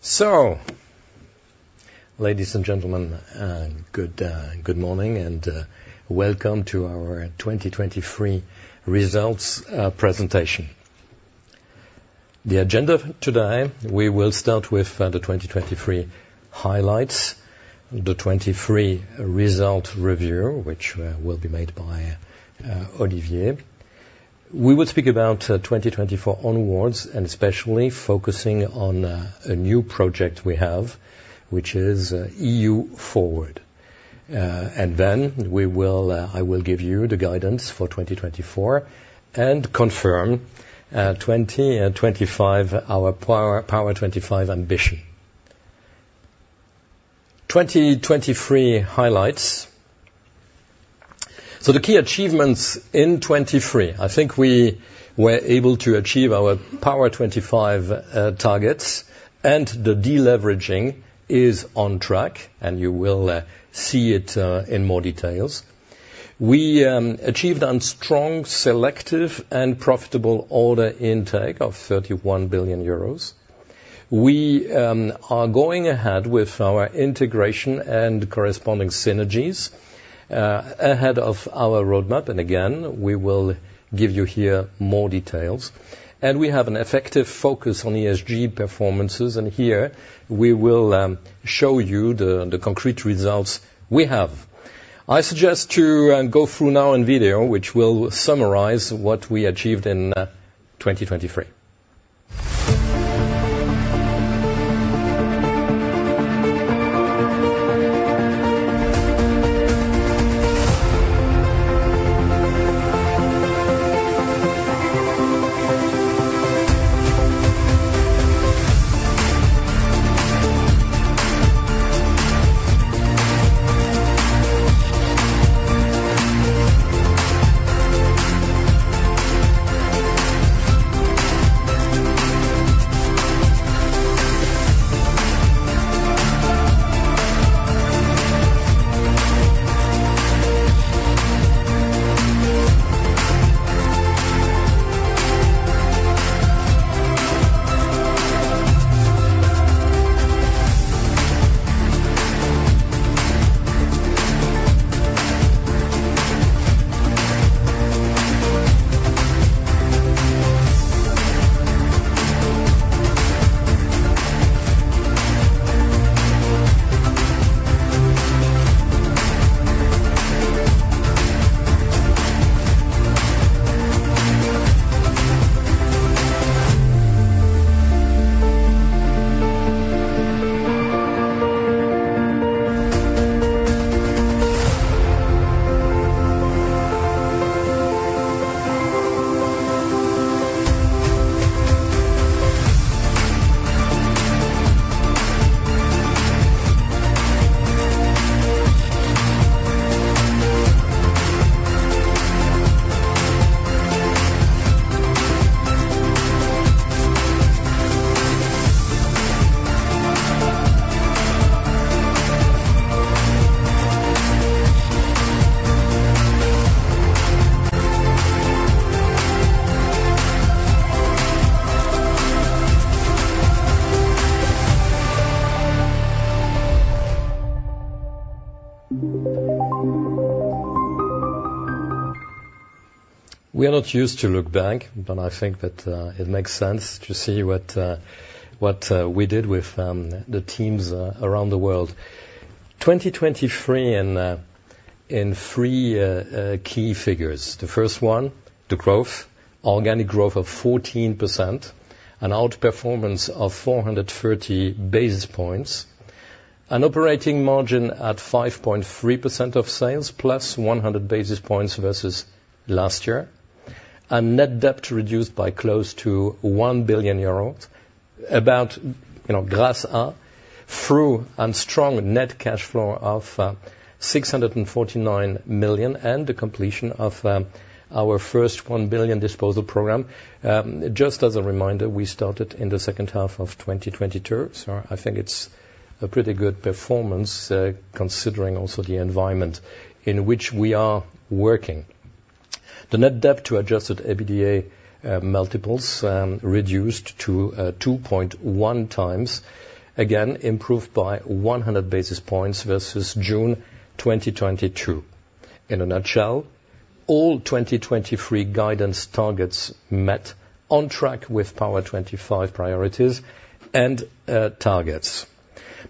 So, ladies and gentlemen, good morning, and Welcome to Our 2023 Results Presentation. The agenda today, we will start with the 2023 highlights, the 2023 results review, which will be made by Olivier. We will speak about 2024 onwards, and especially focusing on a new project we have, which is EU-FORWARD. And then I will give you the guidance for 2024 and confirm 2024 and 2025, our Power25 ambition. 2023 highlights. The key achievements in 2023, I think we were able to achieve our Power25 targets, and the deleveraging is on track, and you will see it in more details. We achieved a strong, selective, and profitable order intake of 31 billion euros. We are going ahead with our integration and corresponding synergies ahead of our roadmap. Again, we will give you here more details. We have an effective focus on ESG performances, and here we will show you the concrete results we have. I suggest to go through now in video, which will summarize what we achieved in 2023. We are not used to look back, but I think that it makes sense to see what we did with the teams around the world. 2023 in three key figures. The first one, the growth, organic growth of 14%, an outperformance of 430 basis points, an operating margin at 5.3% of sales, plus 100 basis points versus last year. A net debt reduced by close to 1 billion euros, about, you know, grâce à, through a strong net cash flow of 649 million, and the completion of our first 1 billion disposal program. Just as a reminder, we started in the second half of 2022, so I think it's a pretty good performance, considering also the environment in which we are working. The net debt to adjusted EBITDA multiples reduced to 2.1 times, again, improved by 100 basis points versus June 2022. In a nutshell, all 2023 guidance targets met on track with Power25 priorities and targets.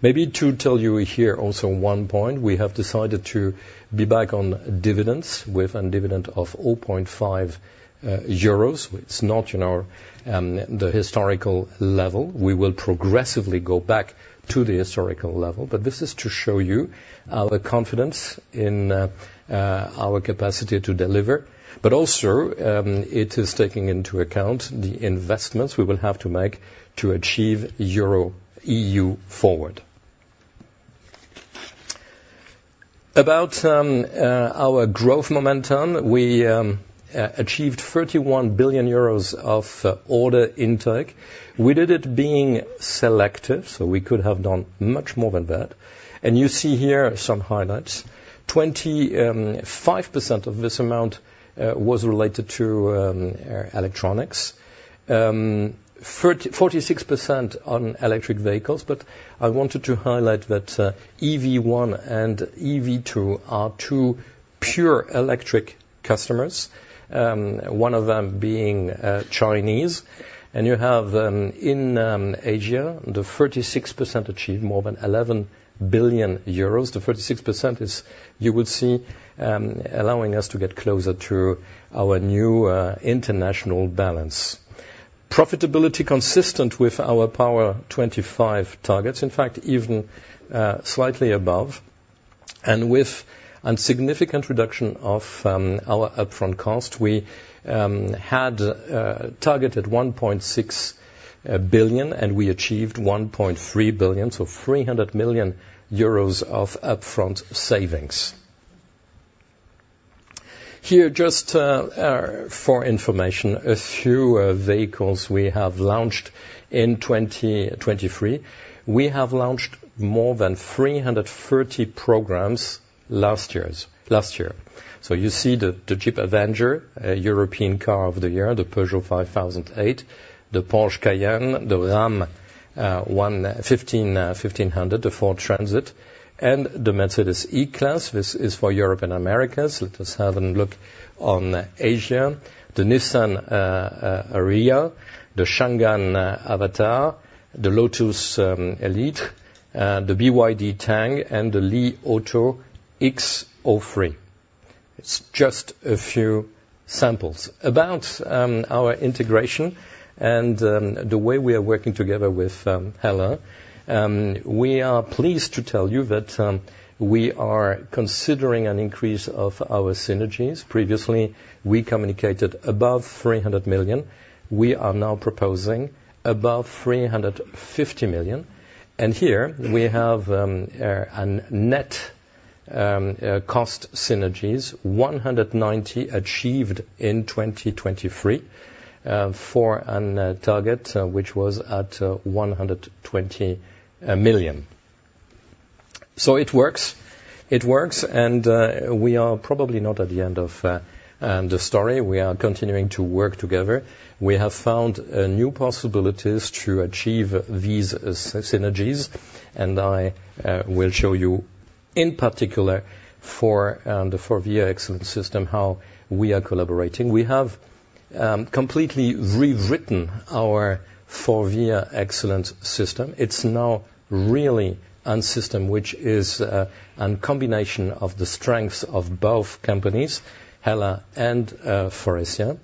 Maybe to tell you here also one point, we have decided to be back on dividends, with a dividend of 0.5 euros. It's not in our the historical level. We will progressively go back to the historical level. But this is to show you the confidence in our capacity to deliver, but also it is taking into account the investments we will have to make to achieve EU Forward. About our growth momentum, we achieved 31 billion euros of order intake. We did it being selective, so we could have done much more than that, and you see here some highlights. 25% of this amount was related to Electronics. 46% on electric vehicles, but I wanted to highlight that EV1 and EV2 are two pure electric customers, one of them being Chinese. And you have in Asia the 36% achieved more than 11 billion euros. The 36% is, you will see, allowing us to get closer to our new, international balance. Profitability consistent with our Power25 targets, in fact, even, slightly above, and with a significant reduction of, our upfront cost. We had targeted 1.6 billion, and we achieved 1.3 billion, so 300 million euros of upfront savings. Here, just, for information, a few, vehicles we have launched in 2023. We have launched more than 330 programs last year. So you see the Jeep Avenger, European Car of the Year, the Peugeot 5008, the Porsche Cayenne, the Ram 1500, the Ford Transit, and the Mercedes-Benz E-Class. This is for Europe and Americas. Let us have a look on Asia: the Nissan Ariya, the Avatr 11, the Lotus Eletre, the BYD Tang, and the Li Auto X03. It's just a few samples. About our integration and the way we are working together with HELLA, we are pleased to tell you that we are considering an increase of our synergies. Previously, we communicated above 300 million. We are now proposing above 350 million, and here we have a net cost synergies, 190 achieved in 2023 for a target, which was at 120 million. So it works. It works, and we are probably not at the end of the story. We are continuing to work together. We have found new possibilities to achieve these synergies, and I will show you in particular for the Forvia Excellence System, how we are collaborating. We have completely rewritten our Forvia Excellence System. It's now really a system which is a combination of the strengths of both companies, HELLA and Faurecia.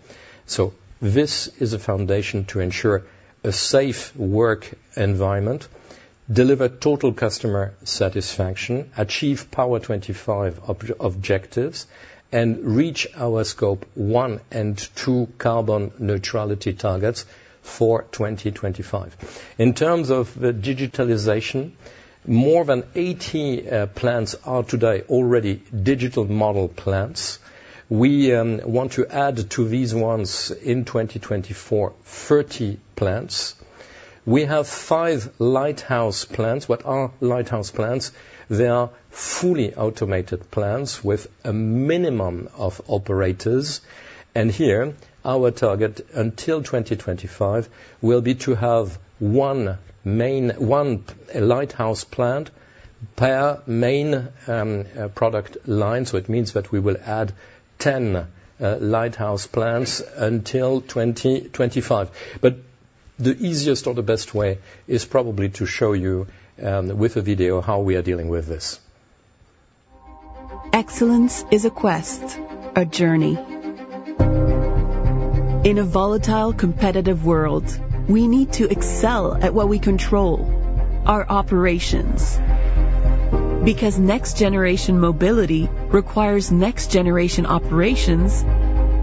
So this is a foundation to ensure a safe work environment, deliver total customer satisfaction, achieve Power25 objectives, and reach our Scope 1 and 2 carbon neutrality targets for 2025. In terms of the digitalization, more than 80 plants are today already digital model plants. We want to add to these ones in 2024, 30 plants. We have five lighthouse plants. What are lighthouse plants? They are fully automated plants with a minimum of operators, and here, our target until 2025 will be to have one lighthouse plant per main product line. So it means that we will add 10 lighthouse plants until 2025. But the easiest or the best way is probably to show you with a video, how we are dealing with this. Excellence is a quest, a journey. In a volatile, competitive world, we need to excel at what we control: our operations. Because next-generation mobility requires next-generation operations,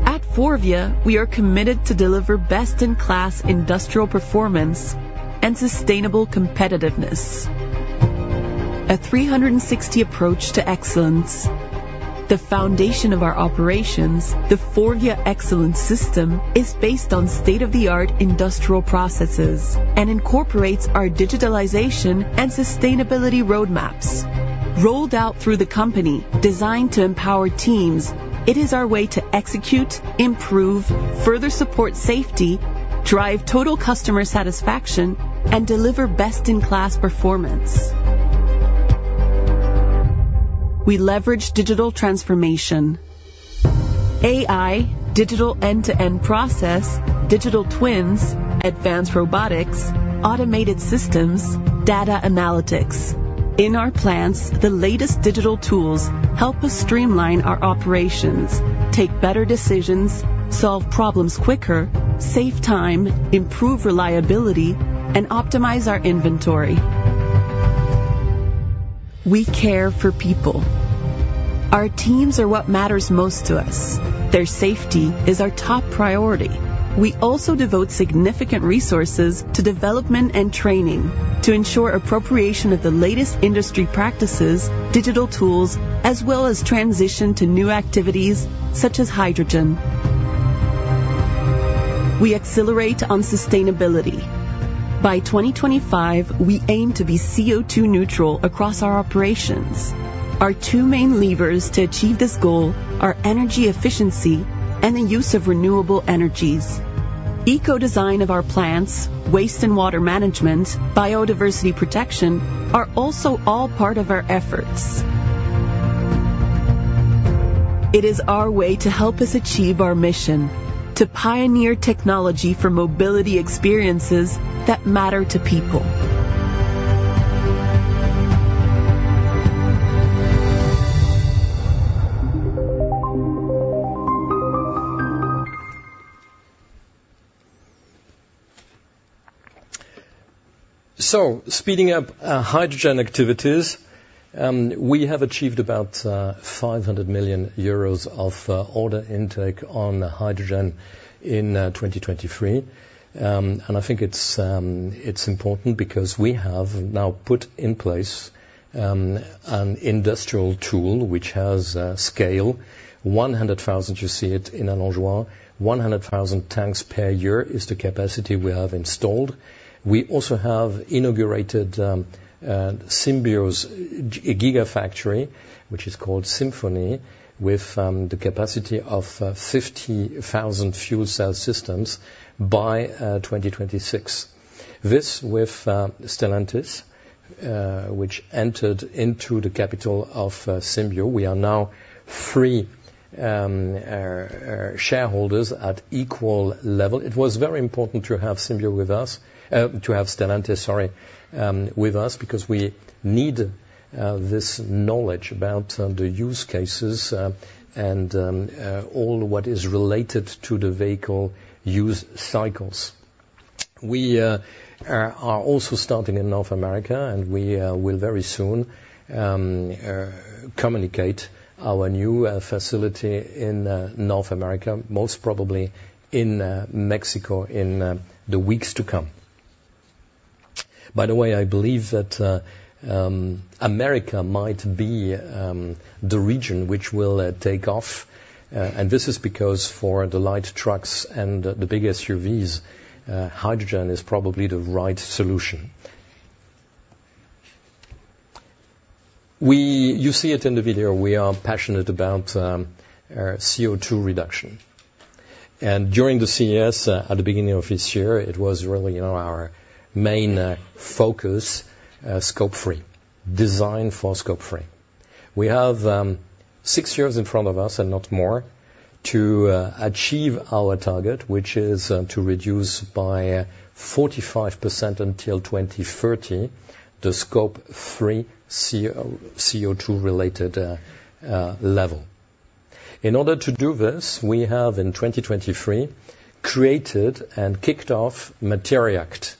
at Forvia, we are committed to deliver best-in-class industrial performance and sustainable competitiveness. A 360 approach to excellence. The foundation of our operations, the Forvia Excellence System, is based on state-of-the-art industrial processes and incorporates our digitalization and sustainability roadmaps. Rolled out through the company, designed to empower teams, it is our way to execute, improve, further support safety, drive total customer satisfaction, and deliver best-in-class performance. We leverage digital transformation. AI, digital end-to-end process, digital twins, advanced robotics, automated systems, data analytics. In our plants, the latest digital tools help us streamline our operations, take better decisions, solve problems quicker, save time, improve reliability, and optimize our inventory. We care for people... Our teams are what matters most to us. Their safety is our top priority. We also devote significant resources to development and training to ensure appropriation of the latest industry practices, digital tools, as well as transition to new activities such as hydrogen. We accelerate on sustainability. By 2025, we aim to be CO₂ neutral across our operations. Our two main levers to achieve this goal are energy efficiency and the use of renewable energies. Eco design of our plants, waste and water management, biodiversity protection, are also all part of our efforts. It is our way to help us achieve our mission: to pioneer technology for mobility experiences that matter to people. So speeding up hydrogen activities, we have achieved about 500 million euros of order intake on hydrogen in 2023. And I think it's important because we have now put in place an industrial tool which has scale. 100,000, you see it in Allenjoie. 100,000 tanks per year is the capacity we have installed. We also have inaugurated Symbio's gigafactory, which is called SymphonHy, with the capacity of 50,000 fuel cell systems by 2026. This with Stellantis, which entered into the capital of Symbio. We are now three shareholders at equal level. It was very important to have Symbio with us, to have Stellantis, sorry, with us, because we need this knowledge about the use cases, and all what is related to the vehicle use cycles. We are also starting in North America, and we will very soon communicate our new facility in North America, most probably in Mexico, in the weeks to come. By the way, I believe that America might be the region which will take off, and this is because for the light trucks and the big SUVs, hydrogen is probably the right solution. We—You see it in the video, we are passionate about CO₂ reduction. During the CES at the beginning of this year, it was really, you know, our main focus, Scope 3, design for Scope 3. We have six years in front of us and not more, to achieve our target, which is to reduce by 45% until 2030, the Scope 3 CO₂-related level. In order to do this, we have, in 2023, created and kicked off MATERI'ACT.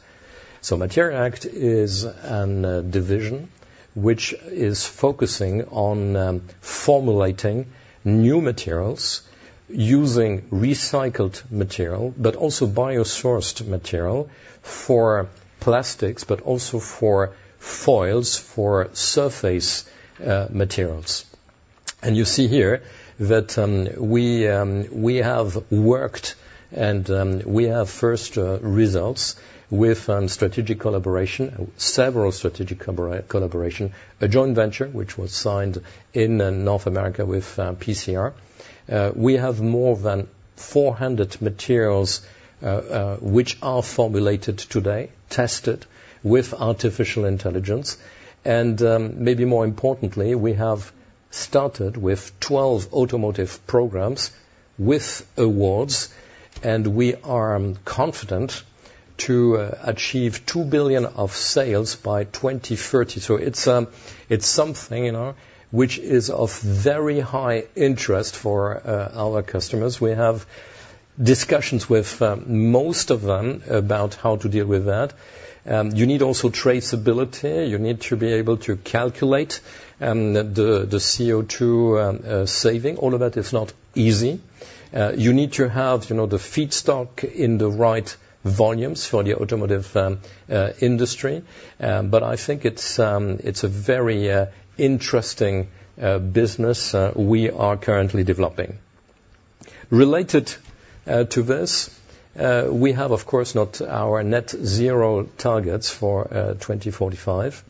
So MATERI'ACT is a division which is focusing on formulating new materials using recycled material, but also biosourced material for plastics, but also for foils, for surface materials. You see here that we have worked and we have first results with strategic collaboration, several strategic collaboration, a joint venture which was signed in North America with PCR. We have more than 400 materials, which are formulated today, tested with artificial intelligence. Maybe more importantly, we have started with 12 automotive programs with awards, and we are confident to achieve 2 billion of sales by 2030. So it's something, you know, which is of very high interest for our customers. We have discussions with most of them about how to deal with that. You need also traceability. You need to be able to calculate the CO₂ saving. All of that is not easy. You need to have, you know, the feedstock in the right volumes for the automotive industry. But I think it's a very interesting business we are currently developing. Related to this, we have, of course, not our net zero targets for 2045.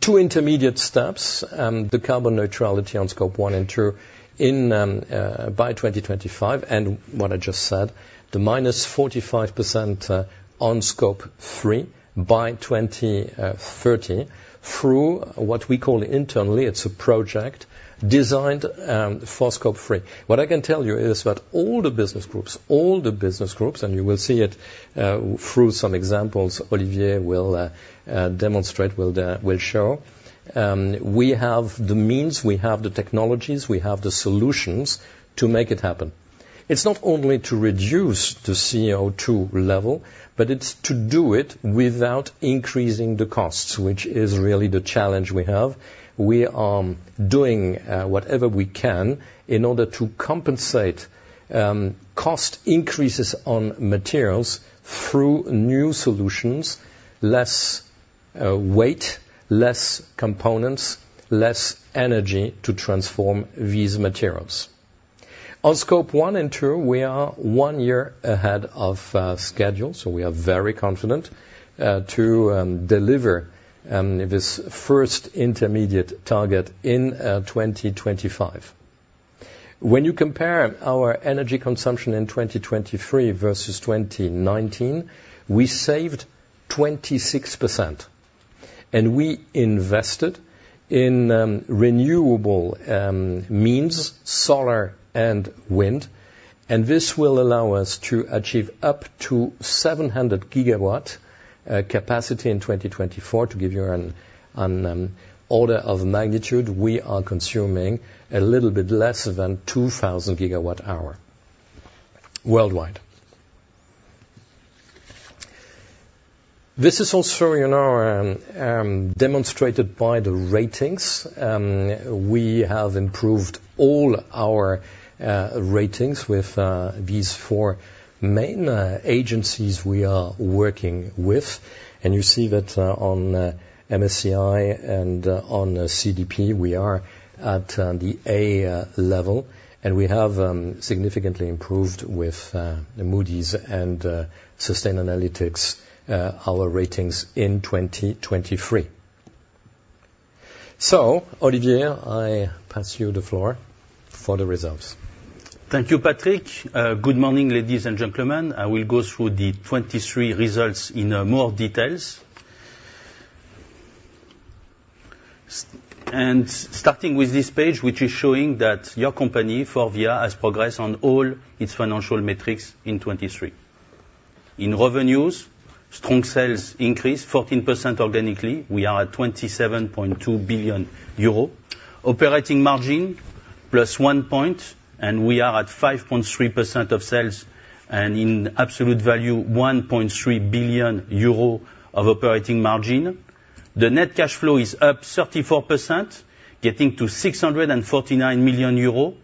Two intermediate steps, the carbon neutrality on Scope 1 and 2 in by 2025, and what I just said, the -45% on Scope 3 by 2030, through what we call internally, it's a project designed for Scope 3. What I can tell you is that all the business groups, all the business groups, and you will see it through some examples Olivier will demonstrate, will show. We have the means, we have the technologies, we have the solutions to make it happen.... It's not only to reduce the CO2 level, but it's to do it without increasing the costs, which is really the challenge we have. We are doing whatever we can in order to compensate cost increases on materials through new solutions, less weight, less components, less energy to transform these materials. On Scope 1 and 2, we are one year ahead of schedule, so we are very confident to deliver this first intermediate target in 2025. When you compare our energy consumption in 2023 versus 2019, we saved 26%, and we invested in renewable means, solar and wind, and this will allow us to achieve up to 700 GW capacity in 2024. To give you an order of magnitude, we are consuming a little bit less than 2,000 GWh worldwide. This is also, you know, demonstrated by the ratings. We have improved all our ratings with these four main agencies we are working with. And you see that on MSCI and on CDP, we are at the A level, and we have significantly improved with the Moody's and Sustainalytics, our ratings in 2023. So, Olivier, I pass you the floor for the results. Thank you, Patrick. Good morning, ladies and gentlemen. I will go through the 2023 results in more details. And starting with this page, which is showing that your company, Forvia, has progressed on all its financial metrics in 2023. In revenues, strong sales increased 14% organically. We are at 27.2 billion euro. Operating margin, +1 point, and we are at 5.3% of sales, and in absolute value, 1.3 billion euro of operating margin. The net cash flow is up 34%, getting to 649 million euros,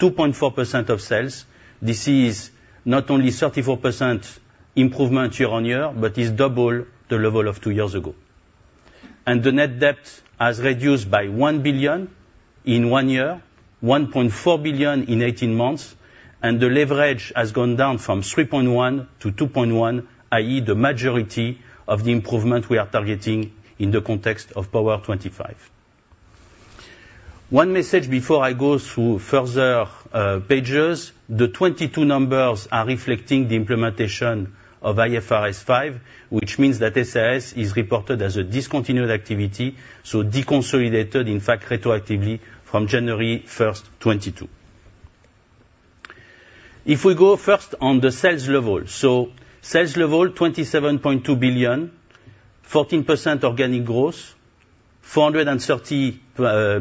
2.4% of sales. This is not only 34% improvement year-on-year, but is double the level of two years ago. The net debt has reduced by 1 billion in one year, 1.4 billion in 18 months, and the leverage has gone down from 3.1 to 2.1, i.e., the majority of the improvement we are targeting in the context of Power25. One message before I go through further pages, the 2022 numbers are reflecting the implementation of IFRS 5, which means that SAS is reported as a discontinued activity, so deconsolidated, in fact, retroactively from January 1st, 2022. If we go first on the sales level, so sales level, 27.2 billion, 14% organic growth, 430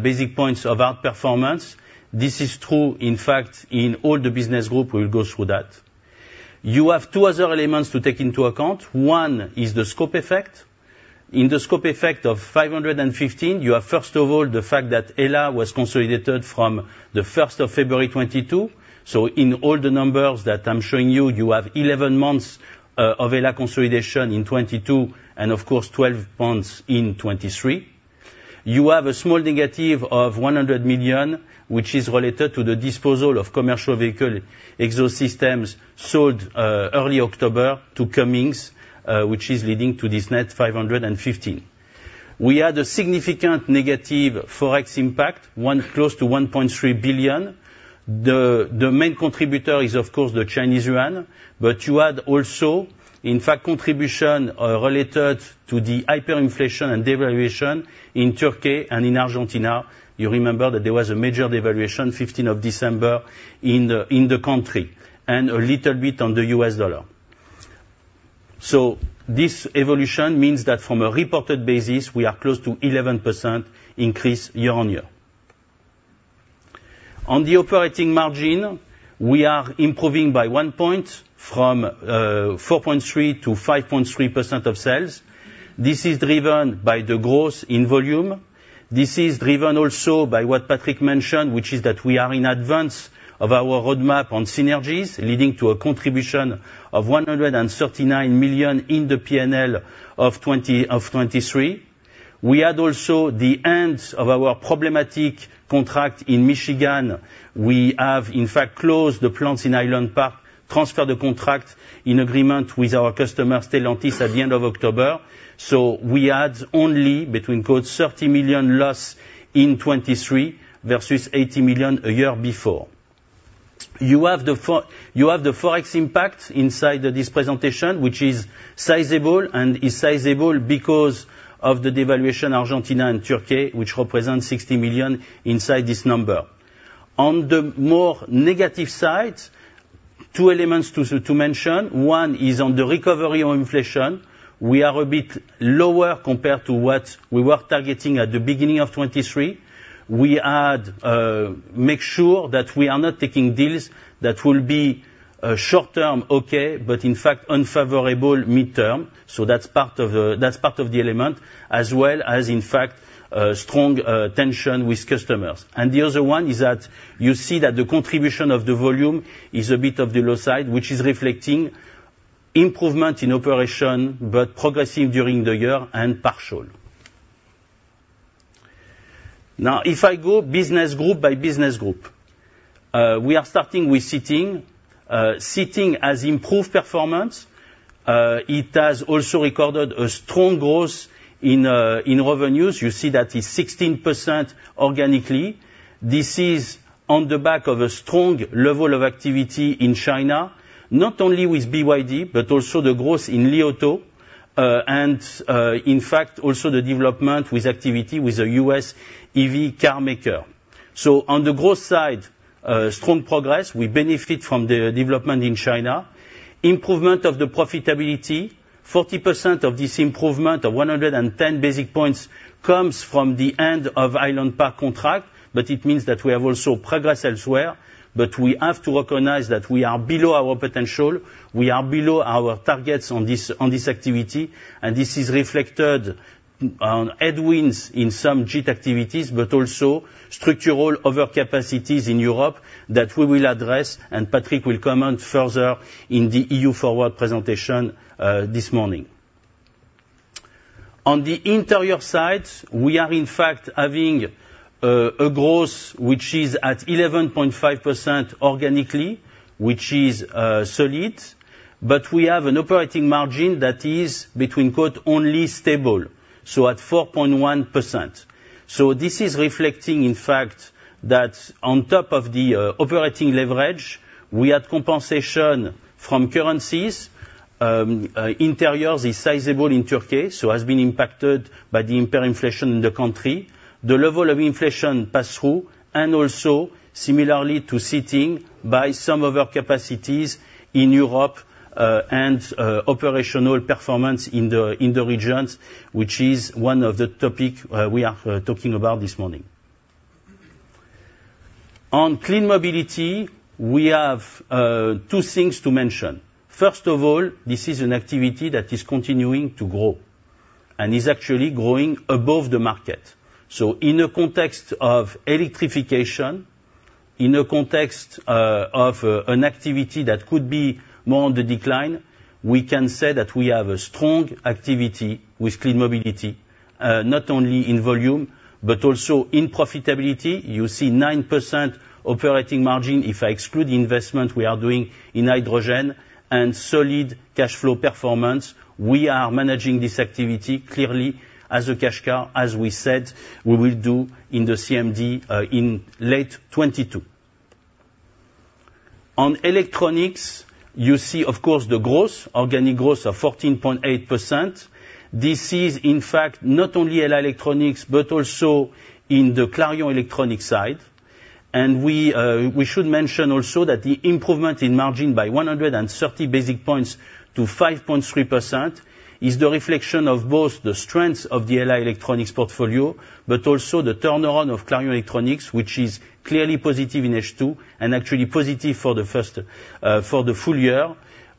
basis points of outperformance. This is true, in fact, in all the business group, we'll go through that. You have two other elements to take into account. One is the scope effect. In the scope effect of 515 million, you have, first of all, the fact that HELLA was consolidated from the first of February 2022. So in all the numbers that I'm showing you, you have 11 months of HELLA consolidation in 2022, and of course, 12 months in 2023. You have a small negative of 100 million, which is related to the disposal of commercial vehicle exhaust systems sold early October to Cummins, which is leading to this net 515 million. We had a significant negative Forex impact, one, close to 1.3 billion. The main contributor is, of course, the Chinese yuan, but you add also, in fact, contribution related to the hyperinflation and devaluation in Turkey and in Argentina. You remember that there was a major devaluation, 15 of December, in the country, and a little bit on the US dollar. So this evolution means that from a reported basis, we are close to 11% increase year-on-year. On the operating margin, we are improving by 1 point from 4.3% to 5.3% of sales. This is driven by the growth in volume. This is driven also by what Patrick mentioned, which is that we are in advance of our roadmap on synergies, leading to a contribution of 139 million in the P&L of 2023. We had also the ends of our problematic contract in Michigan. We have, in fact, closed the plants in Highland Park, transferred the contract in agreement with our customer, Stellantis, at the end of October. So we had only, between quotes, 30 million loss in 2023 versus 80 million a year before. You have the you have the Forex impact inside of this presentation, which is sizable and is sizable because of the devaluation, Argentina and Turkey, which represents 60 million inside this number. On the more negative side, two elements to, to mention. One is on the recovery on inflation. We are a bit lower compared to what we were targeting at the beginning of 2023. We had make sure that we are not taking deals that will be, short-term okay, but in fact unfavorable mid-term, so that's part of, that's part of the element, as well as, in fact, strong, tension with customers. And the other one is that you see that the contribution of the volume is a bit of the low side, which is reflecting improvement in operation, but progressive during the year and partial. Now, if I go business group by business group, we are starting with Seating. Seating has improved performance. It has also recorded a strong growth in revenues. You see that is 16% organically. This is on the back of a strong level of activity in China, not only with BYD, but also the growth in Li Auto, and, in fact, also the development with activity with the US EV car maker. So on the growth side, strong progress. We benefit from the development in China. Improvement of the profitability. Forty percent of this improvement of 110 basis points comes from the end of Highland Park contract, but it means that we have also progressed elsewhere, but we have to recognize that we are below our potential. We are below our targets on this, on this activity, and this is reflected on headwinds in some JIT activities, but also structural overcapacities in Europe that we will address, and Patrick will comment further in the EU Forward presentation, this morning. On the Interiors side, we are in fact having a growth which is at 11.5% organically, which is solid, but we have an operating margin that is, between quotes, only stable, so at 4.1%. So this is reflecting, in fact, that on top of the operating leverage, we had compensation from currencies. Interiors is sizable in Turkey, so has been impacted by the hyperinflation in the country. The level of inflation pass through and also similarly to Seating by some of our capacities in Europe and operational performance in the regions, which is one of the topic we are talking about this morning. On Clean Mobility, we have two things to mention. First of all, this is an activity that is continuing to grow and is actually growing above the market. So in a context of electrification, in a context of an activity that could be more on the decline, we can say that we have a strong activity with Clean Mobility, not only in volume, but also in profitability. You see 9% operating margin, if I exclude the investment we are doing in hydrogen and solid cash flow performance, we are managing this activity clearly as a cash cow, as we said we will do in the CMD, in late 2022. On Electronics, you see, of course, the growth, organic growth of 14.8%. This is in fact not only Electronics, but also in the Clarion Electronics side. And we, we should mention also that the improvement in margin by 130 basis points to 5.3% is the reflection of both the strengths of the HELLA Electronics portfolio, but also the turnaround of Clarion Electronics, which is clearly positive in H II and actually positive for the first, for the full year.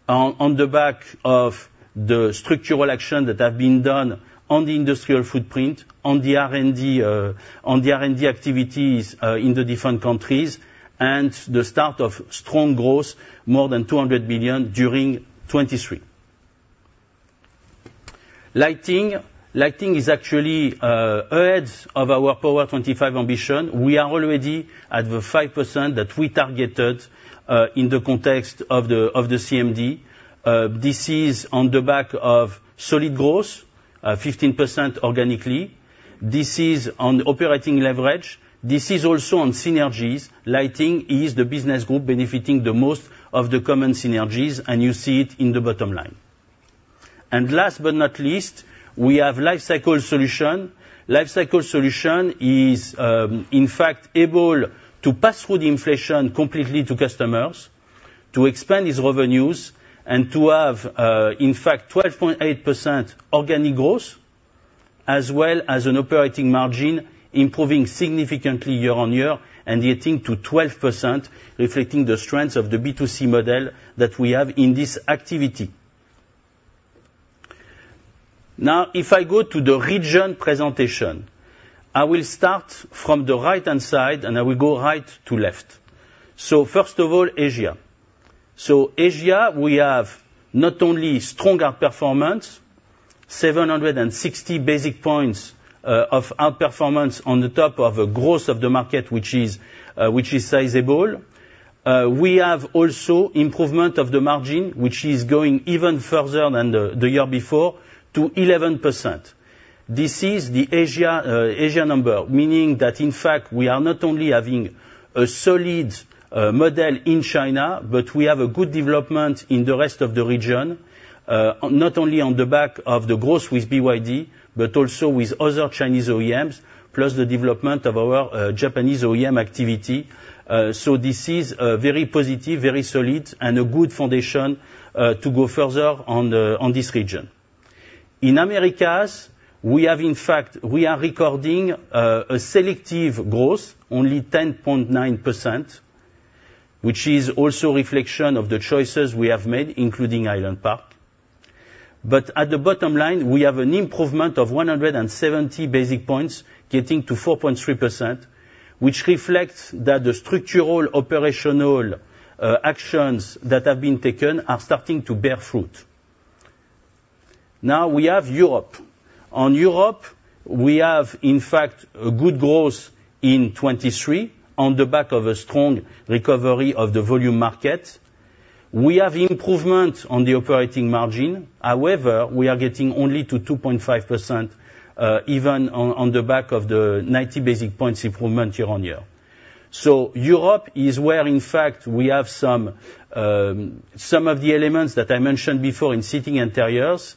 On the back of the structural action that have been done on the industrial footprint, on the R&D, on the R&D activities, in the different countries, and the start of strong growth, more than 200 million during 2023. Lighting. Lighting is actually ahead of our Power25 ambition. We are already at the 5% that we targeted in the context of the CMD. This is on the back of solid growth, 15% organically. This is on operating leverage. This is also on synergies. Lighting is the business group benefiting the most of the common synergies, and you see it in the bottom line. And last but not least, we have Lifecycle Solutions. Lifecycle Solutions is, in fact, able to pass through the inflation completely to customers, to expand its revenues, and to have, in fact, 12.8% organic growth, as well as an operating margin, improving significantly year-on-year and getting to 12%, reflecting the strength of the B2C model that we have in this activity. Now, if I go to the region presentation, I will start from the right-hand side, and I will go right to left. So first of all, Asia. So Asia, we have not only strong outperformance, 760 basis points, of outperformance on the top of a growth of the market, which is sizable. We have also improvement of the margin, which is going even further than the year before to 11%. This is the Asia number, meaning that, in fact, we are not only having a solid model in China, but we have a good development in the rest of the region, not only on the back of the growth with BYD, but also with other Chinese OEMs, plus the development of our Japanese OEM activity. So this is very positive, very solid, and a good foundation to go further on the, on this region. In Americas, we have in fact, we are recording a selective growth, only 10.9%, which is also reflection of the choices we have made, including Highland Park. At the bottom line, we have an improvement of 170 basis points, getting to 4.3%, which reflects that the structural, operational, actions that have been taken are starting to bear fruit. Now we have Europe. On Europe, we have, in fact, a good growth in 2023 on the back of a strong recovery of the volume market. We have improvement on the operating margin. However, we are getting only to 2.5%, even on the back of the 90 basis points improvement year-on-year. Europe is where, in fact, we have some, some of the elements that I mentioned before in Seating Interiors,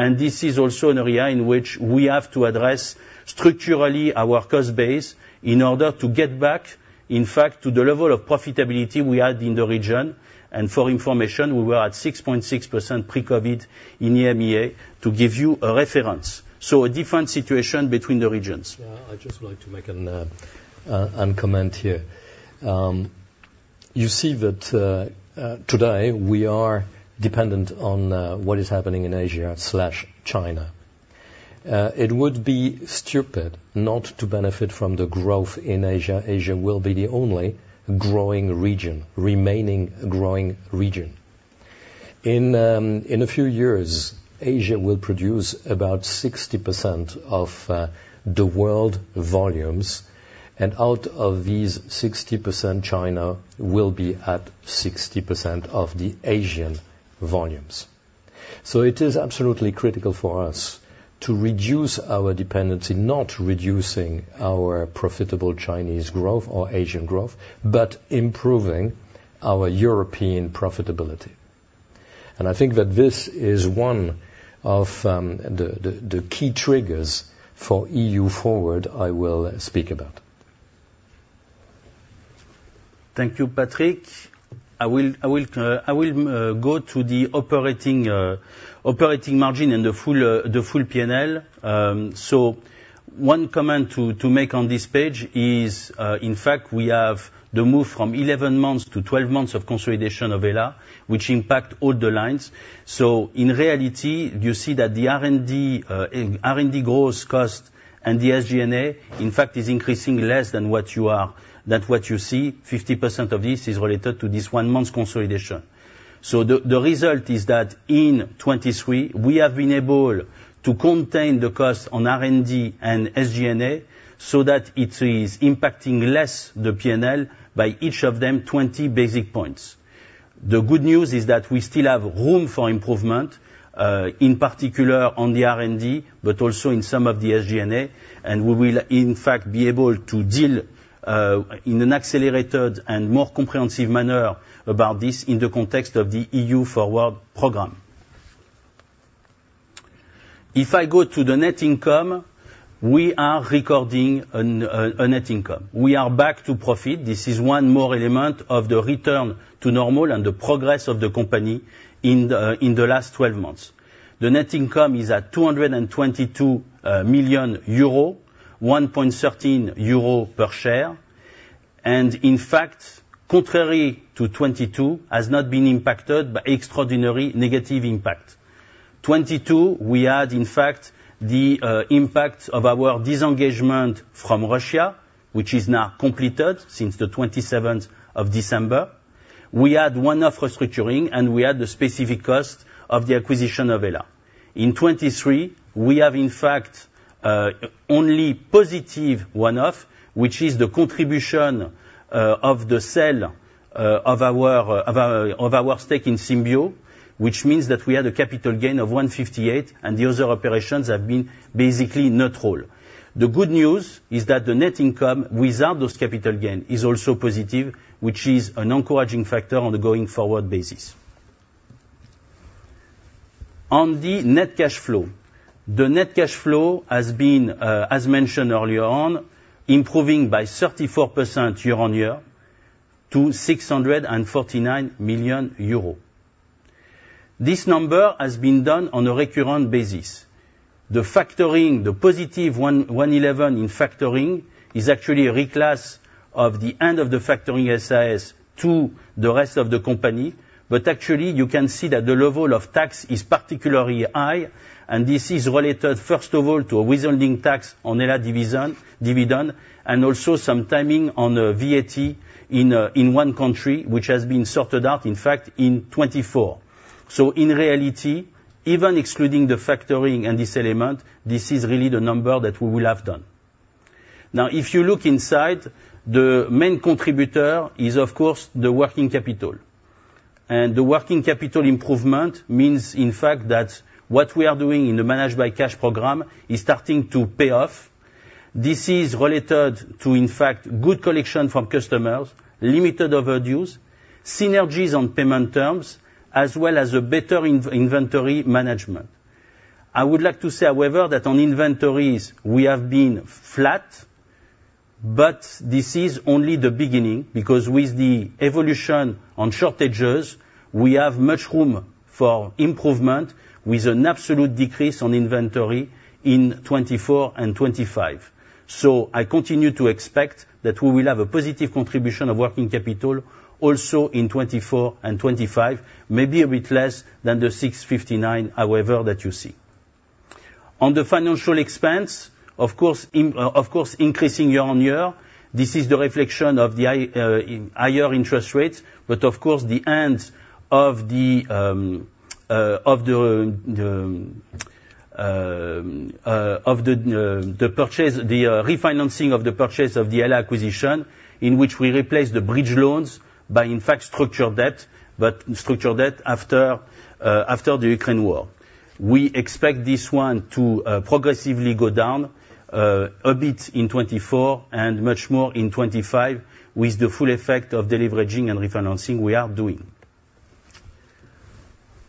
and this is also an area in which we have to address structurally our cost base in order to get back, in fact, to the level of profitability we had in the region. For information, we were at 6.6% pre-COVID in EMEA to give you a reference. A different situation between the regions. Yeah, I'd just like to make a comment here. You see that today, we are dependent on what is happening in Asia slash China. It would be stupid not to benefit from the growth in Asia. Asia will be the only growing region, remaining growing region. In a few years, Asia will produce about 60% of the world volumes, and out of these 60%, China will be at 60% of the Asian volumes. So it is absolutely critical for us to reduce our dependency, not reducing our profitable Chinese growth or Asian growth, but improving our European profitability. And I think that this is one of the key triggers for EU Forward, I will speak about. Thank you, Patrick. I will go to the operating margin and the full P&L. So one comment to make on this page is, in fact, we have the move from 11 months to 12 months of consolidation of HELLA, which impact all the lines. So in reality, you see that the R&D in R&D growth cost and the SG&A, in fact, is increasing less than what you see. 50% of this is related to this 1 month's consolidation. So the result is that in 2023, we have been able to contain the cost on R&D and SG&A so that it is impacting less the P&L by each of them, 20 basis points. The good news is that we still have room for improvement in particular on the R&D, but also in some of the SG&A, and we will, in fact, be able to deal in an accelerated and more comprehensive manner about this in the context of the EU Forward program. If I go to the net income, we are recording a net income. We are back to profit. This is one more element of the return to normal and the progress of the company in the last twelve months. The net income is at 222 million euro, 1.13 euro per share, and in fact, contrary to 2022, has not been impacted by extraordinary negative impact. 2022, we had, in fact, the impact of our disengagement from Russia, which is now completed since the twenty-seventh of December. We had one-off restructuring, and we had the specific cost of the acquisition of HELLA. In 2023, we have, in fact, only positive one-off, which is the contribution of the sale of our stake in Symbio, which means that we had a capital gain of 158 million, and the other operations have been basically neutral. The good news is that the net income without those capital gain is also positive, which is an encouraging factor on a going-forward basis. On the net cash flow, the net cash flow has been, as mentioned earlier on, improving by 34% year-on-year to 649 million euro. This number has been done on a recurrent basis. The factoring, the positive 111 million in factoring, is actually a reclass of the end of the factoring SAS to the rest of the company. But actually, you can see that the level of tax is particularly high, and this is related, first of all, to a withholding tax on HELLA division dividend, and also some timing on the VAT in, in one country, which has been sorted out, in fact, in 2024. So in reality, even excluding the factoring and this element, this is really the number that we will have done. Now, if you look inside, the main contributor is, of course, the working capital. And the working capital improvement means, in fact, that what we are doing in the Manage by Cash program is starting to pay off. This is related to, in fact, good collection from customers, limited overdues, synergies on payment terms, as well as a better inventory management. I would like to say, however, that on inventories, we have been flat. But this is only the beginning, because with the evolution on shortages, we have much room for improvement with an absolute decrease on inventory in 2024 and 2025. So I continue to expect that we will have a positive contribution of working capital also in 2024 and 2025, maybe a bit less than the 659, however, that you see. On the financial expense, of course, increasing year-on-year, this is the reflection of the higher interest rates. But of course, the end of the refinancing of the purchase of the HELLA acquisition, in which we replaced the bridge loans by, in fact, structured debt, but structured debt after the Ukraine war. We expect this one to progressively go down a bit in 2024 and much more in 2025, with the full effect of deleveraging and refinancing we are doing.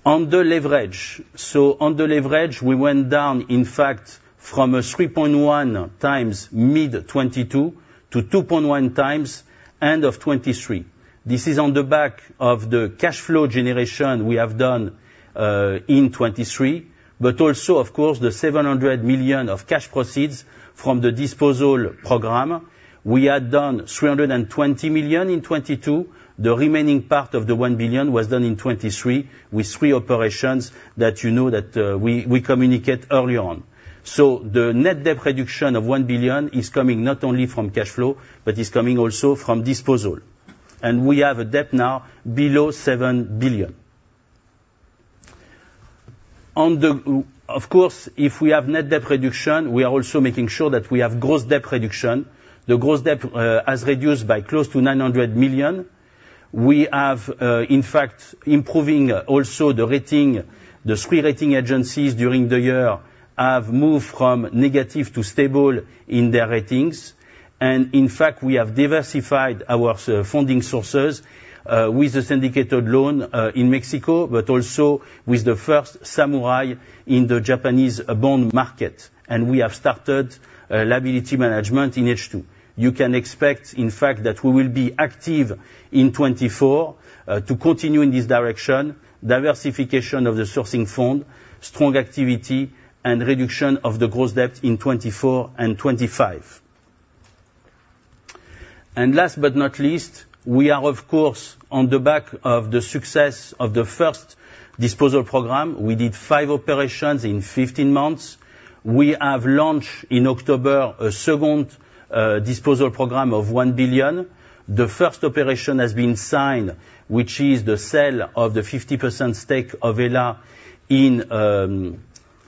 On the leverage, so on the leverage, we went down, in fact, from a 3.1x mid 2022 to 2.1x end of 2023. This is on the back of the cash flow generation we have done in 2023, but also, of course, the 700 million of cash proceeds from the disposal program. We had done 320 million in 2022. The remaining part of the 1 billion was done in 2023, with three operations that you know, that we communicate early on. So the net debt reduction of 1 billion is coming not only from cash flow, but is coming also from disposal. We have a debt now below 7 billion. Of course, if we have net debt reduction, we are also making sure that we have gross debt reduction. The gross debt has reduced by close to 900 million. We have, in fact, improving also the rating. The three rating agencies during the year have moved from negative to stable in their ratings. And in fact, we have diversified our funding sources with the syndicated loan in Mexico, but also with the first samurai in the Japanese bond market. And we have started liability management in H II. You can expect, in fact, that we will be active in 2024 to continue in this direction, diversification of the sourcing fund, strong activity and reduction of the gross debt in 2024 and 2025. And last but not least, we are, of course, on the back of the success of the first disposal program. We did five operations in 15 months. We have launched in October a second disposal program of 1 billion. The first operation has been signed, which is the sale of the 50% stake of HELLA in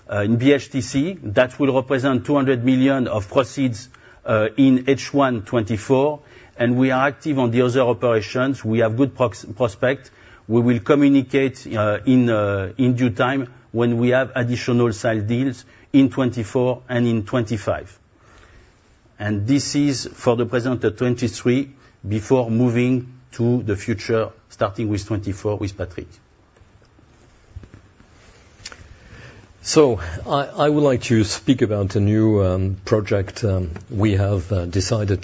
BHTC. That will represent 200 million of proceeds in H I 2024, and we are active on the other operations. We have good prospect. We will communicate in due time when we have additional sale deals in 2024 and in 2025. And this is for the presentation of 2023, before moving to the future, starting with 2024, with Patrick. So I would like to speak about a new project we have decided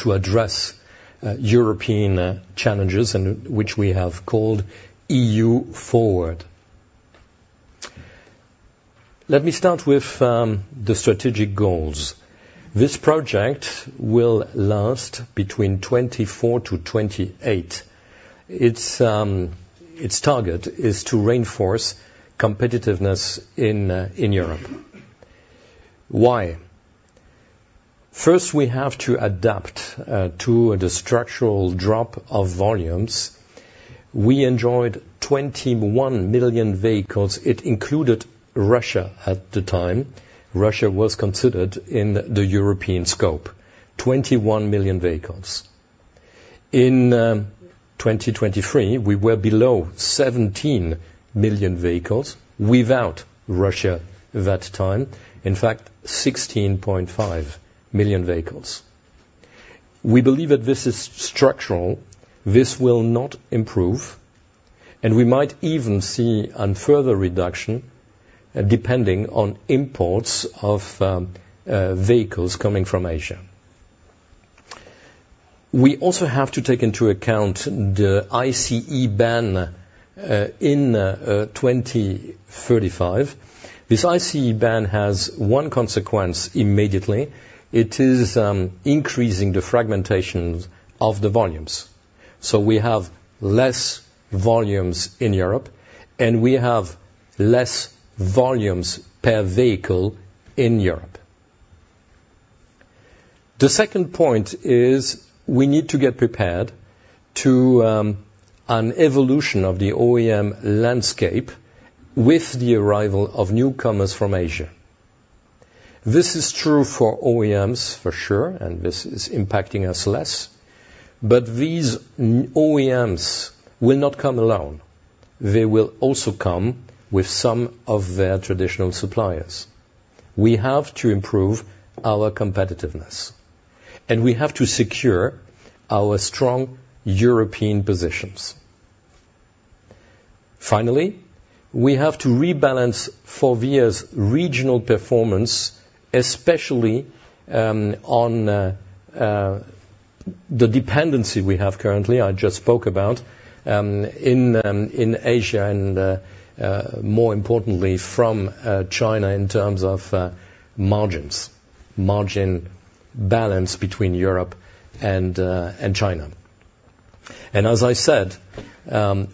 to address European challenges, and which we have called EU Forward. Let me start with the strategic goals. This project will last between 2024 to 2028. Its target is to reinforce competitiveness in Europe. Why? First, we have to adapt to the structural drop of volumes. We enjoyed 21 million vehicles. It included Russia at the time. Russia was considered in the European scope, 21 million vehicles. In 2023, we were below 17 million vehicles without Russia that time. In fact, 16.5 million vehicles. We believe that this is structural. This will not improve, and we might even see a further reduction, depending on imports of vehicles coming from Asia. We also have to take into account the ICE ban in 2035. This ICE ban has one consequence immediately. It is increasing the fragmentations of the volumes. So we have less volumes in Europe, and we have less volumes per vehicle in Europe. The second point is we need to get prepared to an evolution of the OEM landscape with the arrival of newcomers from Asia. This is true for OEMs, for sure, and this is impacting us less, but these OEMs will not come alone. They will also come with some of their traditional suppliers. We have to improve our competitiveness, and we have to secure our strong European positions.... Finally, we have to rebalance Forvia's regional performance, especially on the dependency we have currently, I just spoke about, in Asia, and more importantly, from China in terms of margins. Margin balance between Europe and China. As I said,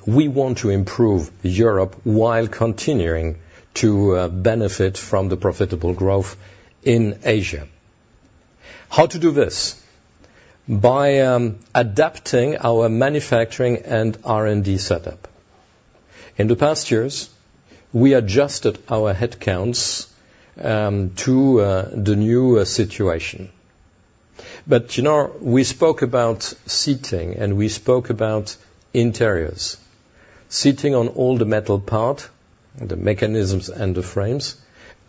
we want to improve Europe while continuing to benefit from the profitable growth in Asia. How to do this? By adapting our manufacturing and R&D setup. In the past years, we adjusted our headcounts to the new situation. But, you know, we spoke about Seating, and we spoke about Interiors. Seating on all the metal part, the mechanisms and the frames,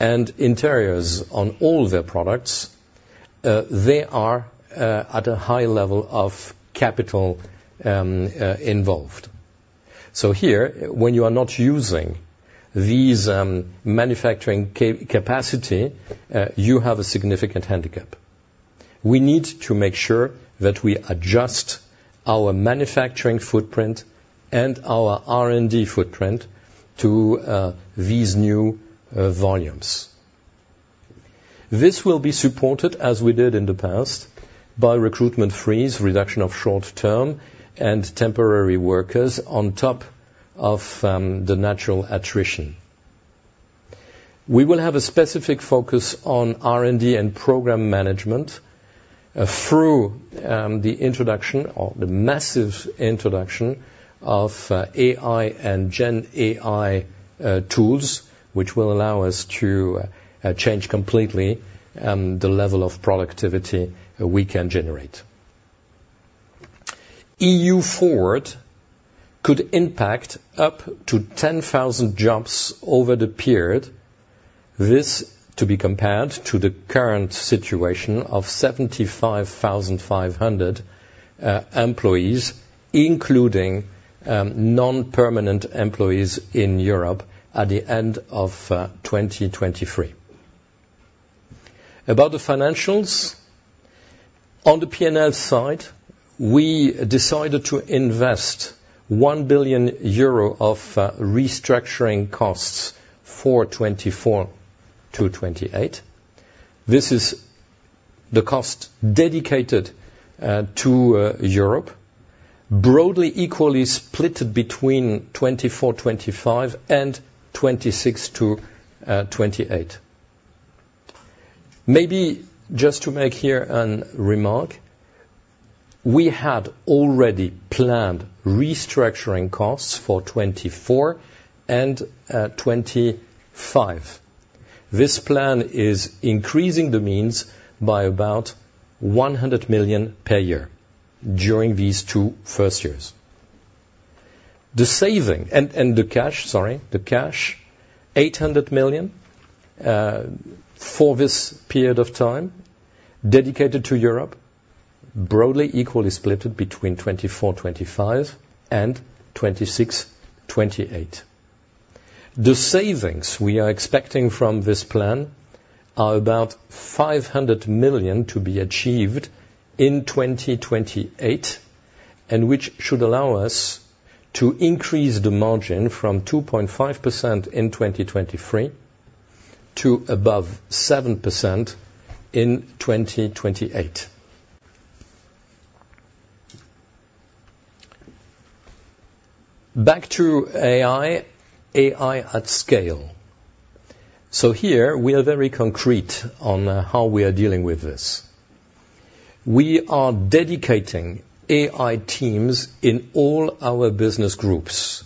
and Interiors on all their products, they are at a high level of capital involved. So here, when you are not using these, manufacturing capacity, you have a significant handicap. We need to make sure that we adjust our manufacturing footprint and our R&D footprint to, these new, volumes. This will be supported, as we did in the past, by recruitment freeze, reduction of short-term, and temporary workers on top of, the natural attrition. We will have a specific focus on R&D and program management, through, the introduction or the massive introduction of, AI and GenAI, tools, which will allow us to, change completely, the level of productivity we can generate. EU Forward could impact up to 10,000 jobs over the period. This to be compared to the current situation of 75,500, employees, including, non-permanent employees in Europe at the end of, 2023. About the financials, on the P&L side, we decided to invest 1 billion euro of restructuring costs for 2024-2028. This is the cost dedicated to Europe, broadly equally split between 2024, 2025 and 2026-2028. Maybe just to make here a remark, we had already planned restructuring costs for 2024 and 2025. This plan is increasing the means by about 100 million per year during these two first years. The savings and the cash, sorry, the cash, 800 million for this period of time, dedicated to Europe, broadly equally split between 2024, 2025 and 2026-2028. The savings we are expecting from this plan are about 500 million to be achieved in 2028, and which should allow us to increase the margin from 2.5% in 2023 to above 7% in 2028. Back to AI. AI at scale. So here we are very concrete on how we are dealing with this. We are dedicating AI teams in all our business groups,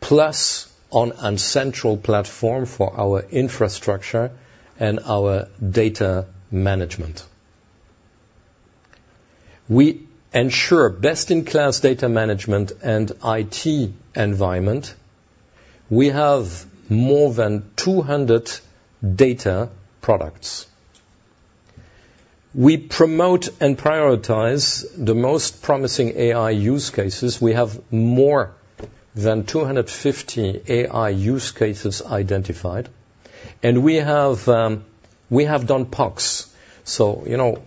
plus on an central platform for our infrastructure and our data management. We ensure best-in-class data management and IT environment. We have more than 200 data products. We promote and prioritize the most promising AI use cases. We have more than 250 AI use cases identified, and we have, we have done POCs. So, you know,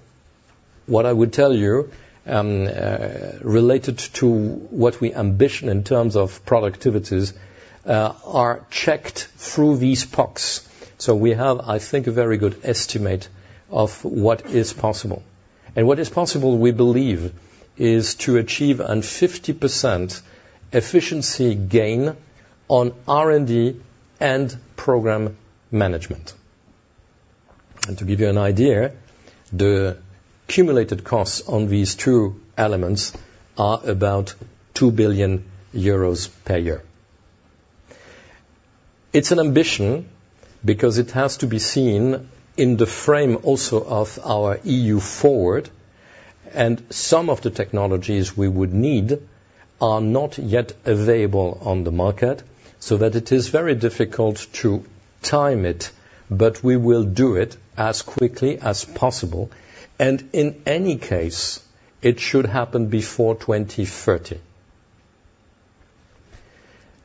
what I would tell you, related to what we ambition in terms of productivities, are checked through these POCs. So we have, I think, a very good estimate of what is possible. And what is possible, we believe, is to achieve a 50% efficiency gain on R&D and program management. And to give you an idea, the accumulated costs on these two elements are about 2 billion euros per year. It's an ambition because it has to be seen in the frame also of our EU Forward, and some of the technologies we would need are not yet available on the market. So that it is very difficult to time it, but we will do it as quickly as possible, and in any case, it should happen before 2030.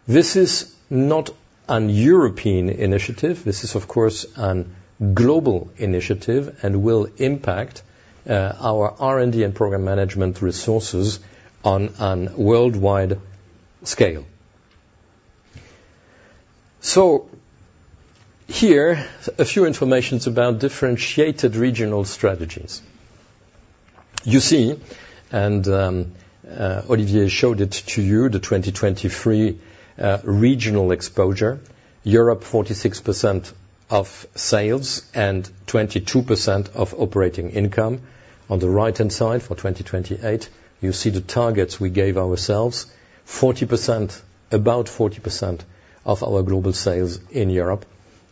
This is not a European initiative. This is, of course, a global initiative and will impact our R&D and program management resources on a worldwide scale. So here, a few information about differentiated regional strategies. You see, Olivier showed it to you, the 2023 regional exposure, Europe 46% of sales and 22% of operating income. On the right-hand side for 2028, you see the targets we gave ourselves, 40%, about 40% of our global sales in Europe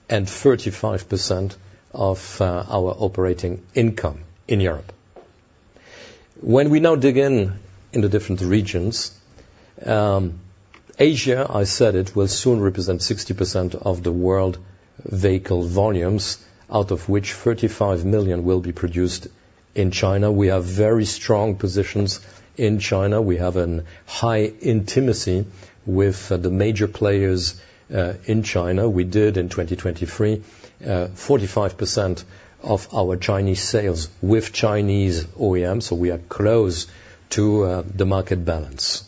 and 35% of our operating income in Europe. When we now dig in the different regions, Asia, I said it, will soon represent 60% of the world vehicle volumes, out of which 35 million will be produced in China. We have very strong positions in China. We have a high intimacy with the major players in China. We did in 2023, 45% of our Chinese sales with Chinese OEMs, so we are close to the market balance.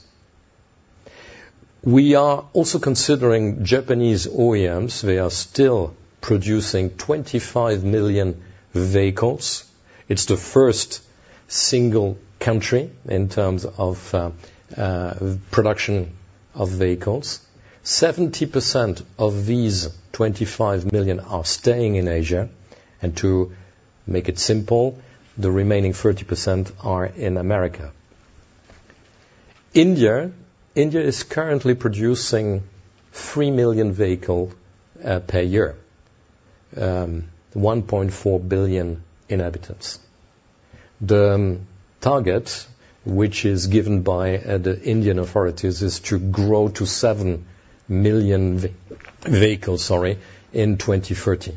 We are also considering Japanese OEMs. They are still producing 25 million vehicles. It's the first single country in terms of production of vehicles. Seventy percent of these 25 million are staying in Asia, and to make it simple, the remaining thirty percent are in America. India. India is currently producing 3 million vehicle per year, one point four billion inhabitants. The target, which is given by the Indian authorities, is to grow to 7 million vehicles, sorry, in 2030.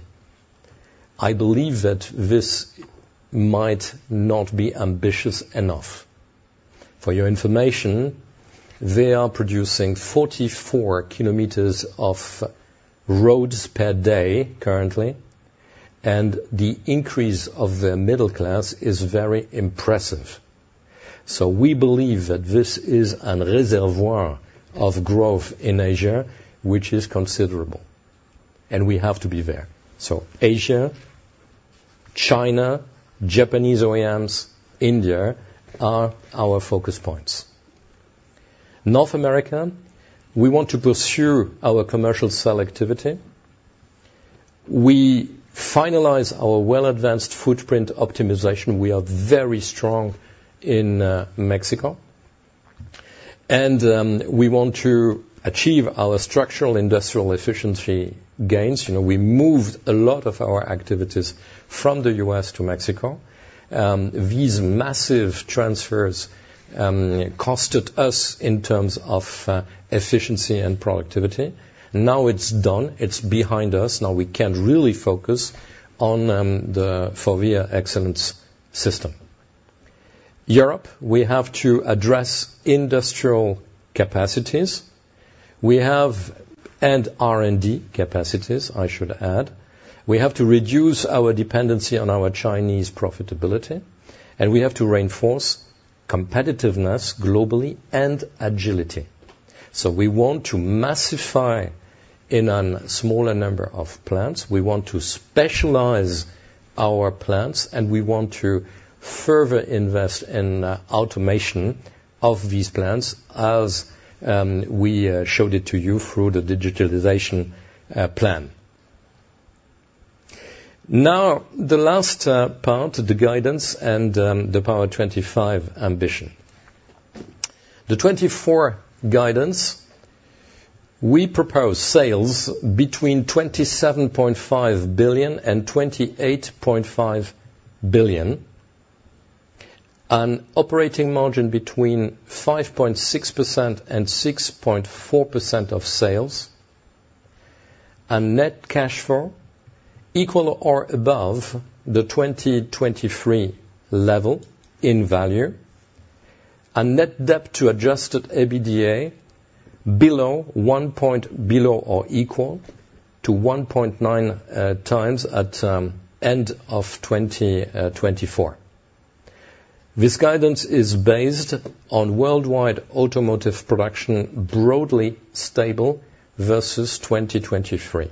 I believe that this might not be ambitious enough. For your information, they are producing 44 kilometers of roads per day currently, and the increase of their middle class is very impressive. We believe that this is a reservoir of growth in Asia, which is considerable, and we have to be there. Asia, China, Japanese OEMs, India, are our focus points. North America, we want to pursue our commercial selectivity. We finalize our well-advanced footprint optimization. We are very strong in Mexico, and we want to achieve our structural industrial efficiency gains. You know, we moved a lot of our activities from the U.S. to Mexico. These massive transfers costed us in terms of efficiency and productivity. Now it's done. It's behind us. Now we can really focus on the Faurecia Excellence System. Europe, we have to address industrial capacities. We have... and R&D capacities, I should add. We have to reduce our dependency on our Chinese profitability, and we have to reinforce competitiveness globally and agility. So we want to massify in a smaller number of plants, we want to specialize our plants, and we want to further invest in automation of these plants, as we showed it to you through the digitalization plan. Now, the last part, the guidance and the Power 25 ambition. The 2024 guidance, we propose sales between 27.5 billion and 28.5 billion, an operating margin between 5.6% and 6.4% of sales, a net cash flow equal or above the 2023 level in value, a net debt to adjusted EBITDA below one point below or equal to 1.9 times at end of 2024. This guidance is based on worldwide automotive production, broadly stable versus 2023.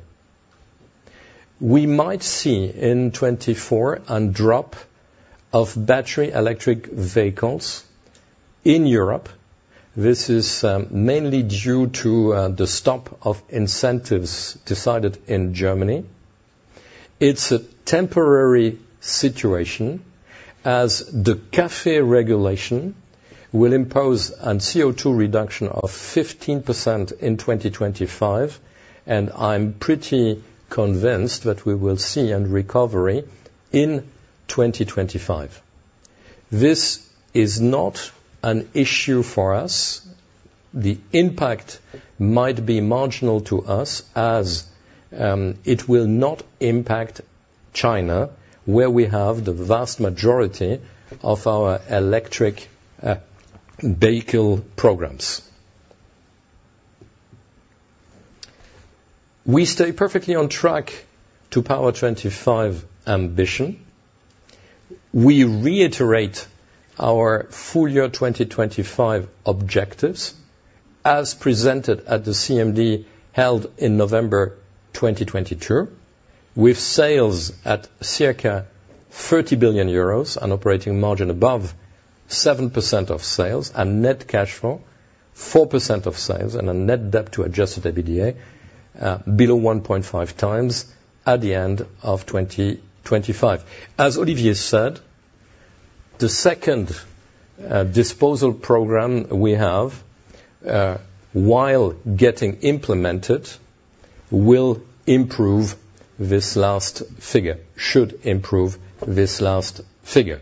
We might see in 2024 a drop of battery electric vehicles in Europe. This is mainly due to the stop of incentives decided in Germany. It's a temporary situation as the CAFE regulation will impose on CO2 reduction of 15% in 2025, and I'm pretty convinced that we will see a recovery in 2025. This is not an issue for us. The impact might be marginal to us, as it will not impact China, where we have the vast majority of our electric vehicle programs. We stay perfectly on track to Power25 ambition. We reiterate our full year 2025 objectives, as presented at the CMD, held in November 2022, with sales at circa 30 billion euros, an operating margin above 7% of sales, and net cash flow 4% of sales, and a net debt to Adjusted EBITDA below 1.5x at the end of 2025. As Olivier said, the second, disposal program we have, while getting implemented, will improve this last figure—should improve this last figure.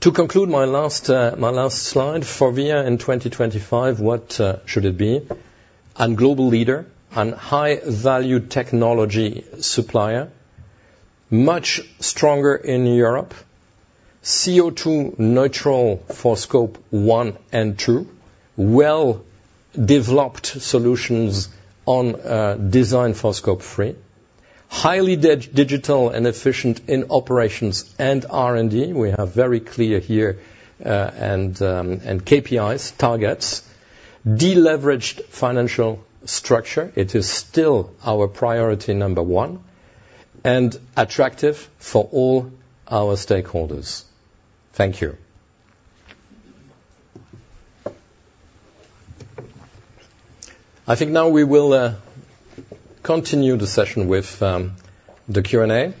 To conclude, my last slide, Faurecia in 2025, what should it be? A global leader and high-value technology supplier, much stronger in Europe, CO2 neutral for Scope 1 and 2, well-developed solutions on, design for Scope 3, highly digital and efficient in operations and R&D. We are very clear here, and KPIs, targets. De-leveraged financial structure, it is still our priority number one, and attractive for all our stakeholders. Thank you. I think now we will continue the session with the Q&A.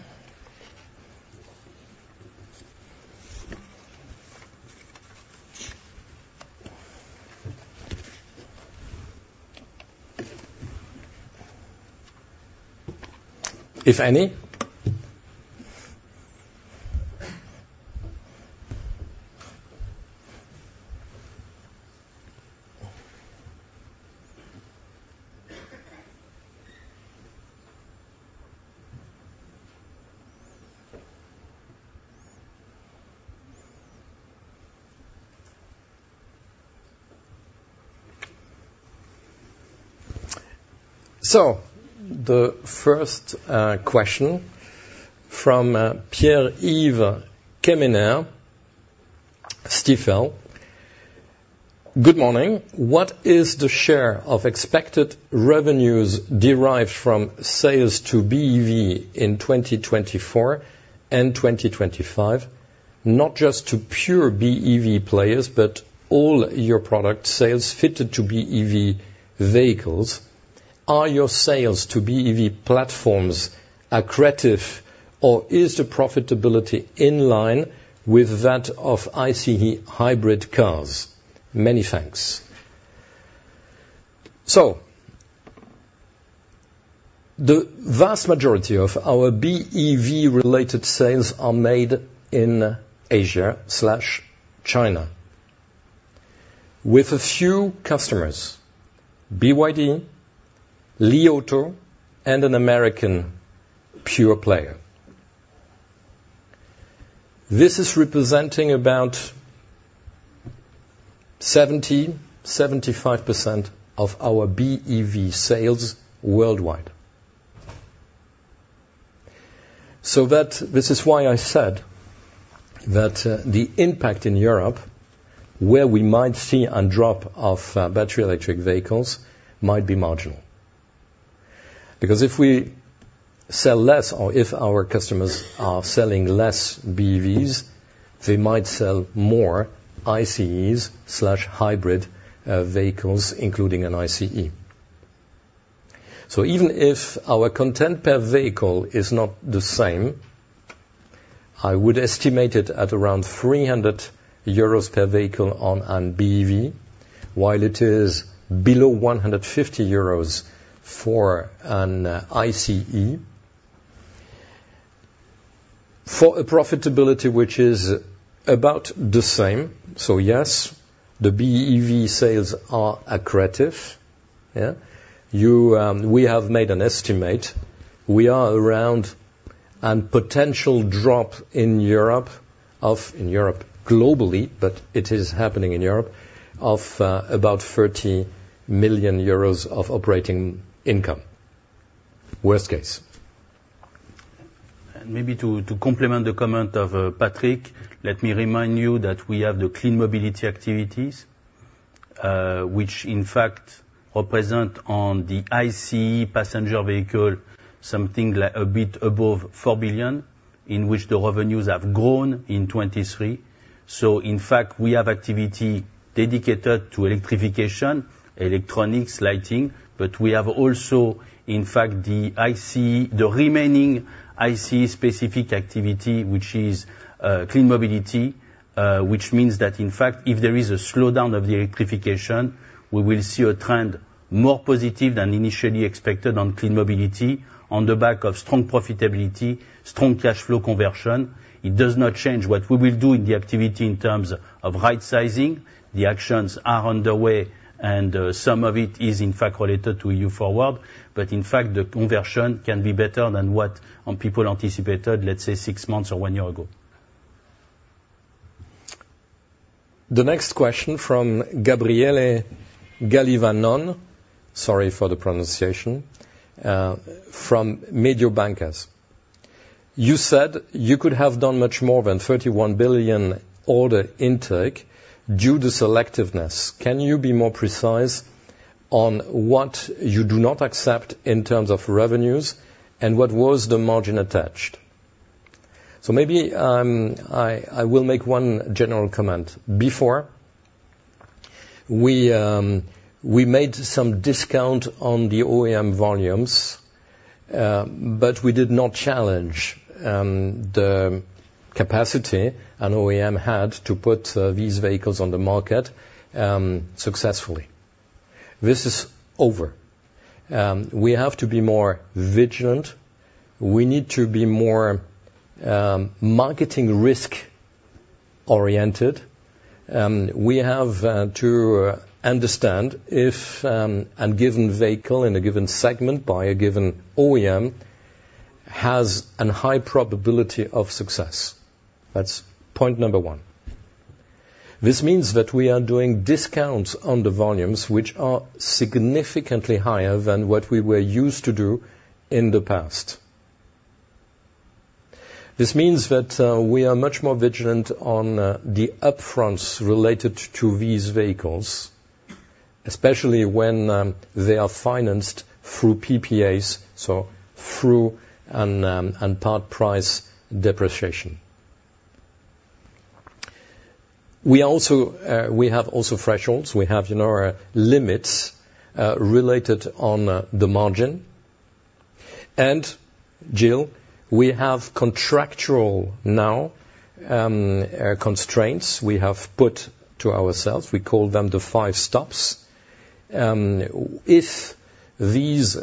If any? So the first question from Pierre-Yves Quemener, Stifel. "Good morning. What is the share of expected revenues derived from sales to BEV in 2024 and 2025? Not just to pure BEV players, but all your product sales fitted to BEV vehicles. Are your sales to BEV platforms accretive, or is the profitability in line with that of ICE hybrid cars? Many thanks." So the vast majority of our BEV-related sales are made in Asia/China with a few customers, BYD, Li Auto, and an American pure player. This is representing about 70-75% of our BEV sales worldwide. So that—this is why I said that, the impact in Europe, where we might see a drop of battery electric vehicles, might be marginal. Because if we sell less, or if our customers are selling less BEVs, they might sell more ICEs/hybrid vehicles, including an ICE. So even if our content per vehicle is not the same, I would estimate it at around 300 euros per vehicle on a BEV, while it is below 150 euros for an ICE. For a profitability, which is about the same, so yes, the BEV sales are accretive. Yeah. We have made an estimate. We are around a potential drop in Europe, globally, but it is happening in Europe, of about 30 million euros of operating income, worst case. And maybe to complement the comment of Patrick, let me remind you that we have the Clean Mobility activities, which in fact represent on the ICE passenger vehicle, something like a bit above 4 billion in which the revenues have grown in 2023. So in fact, we have activity dedicated to electrification, electronics, lighting, but we have also, in fact, the ICE, the remaining ICE-specific activity, which is clean mobility, which means that, in fact, if there is a slowdown of the electrification, we will see a trend more positive than initially expected on Clean Mobility, on the back of strong profitability, strong cash flow conversion. It does not change what we will do in the activity in terms of right sizing. The actions are underway, and some of it is, in fact, related to EU Forward. But in fact, the conversion can be better than what people anticipated, let's say, six months or one year ago. The next question from Gabriele Gambarova, sorry for the pronunciation, from Banca Akros. You said you could have done much more than 31 billion order intake due to selectiveness. Can you be more precise on what you do not accept in terms of revenues, and what was the margin attached? So maybe, I will make one general comment. Before, we made some discount on the OEM volumes, but we did not challenge the capacity an OEM had to put these vehicles on the market successfully. This is over. We have to be more vigilant. We need to be more marketing risk-oriented. We have to understand if a given vehicle in a given segment by a given OEM has a high probability of success. That's point number one. This means that we are doing discounts on the volumes, which are significantly higher than what we were used to do in the past. This means that we are much more vigilant on the upfronts related to these vehicles, especially when they are financed through PPAs, so through and part price depreciation. We also, we have also thresholds. We have, you know, limits related on the margin. And still, we have contractual now constraints we have put to ourselves. We call them the five stops. If these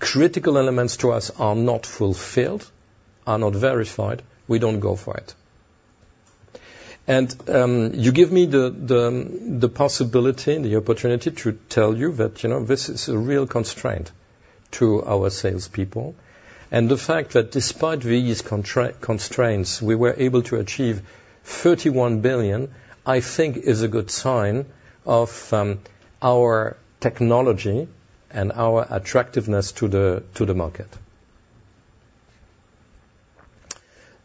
critical elements to us are not fulfilled, are not verified, we don't go for it. And you give me the possibility and the opportunity to tell you that, you know, this is a real constraint to our salespeople. The fact that despite these contract constraints, we were able to achieve 31 billion, I think is a good sign of our technology and our attractiveness to the, to the market.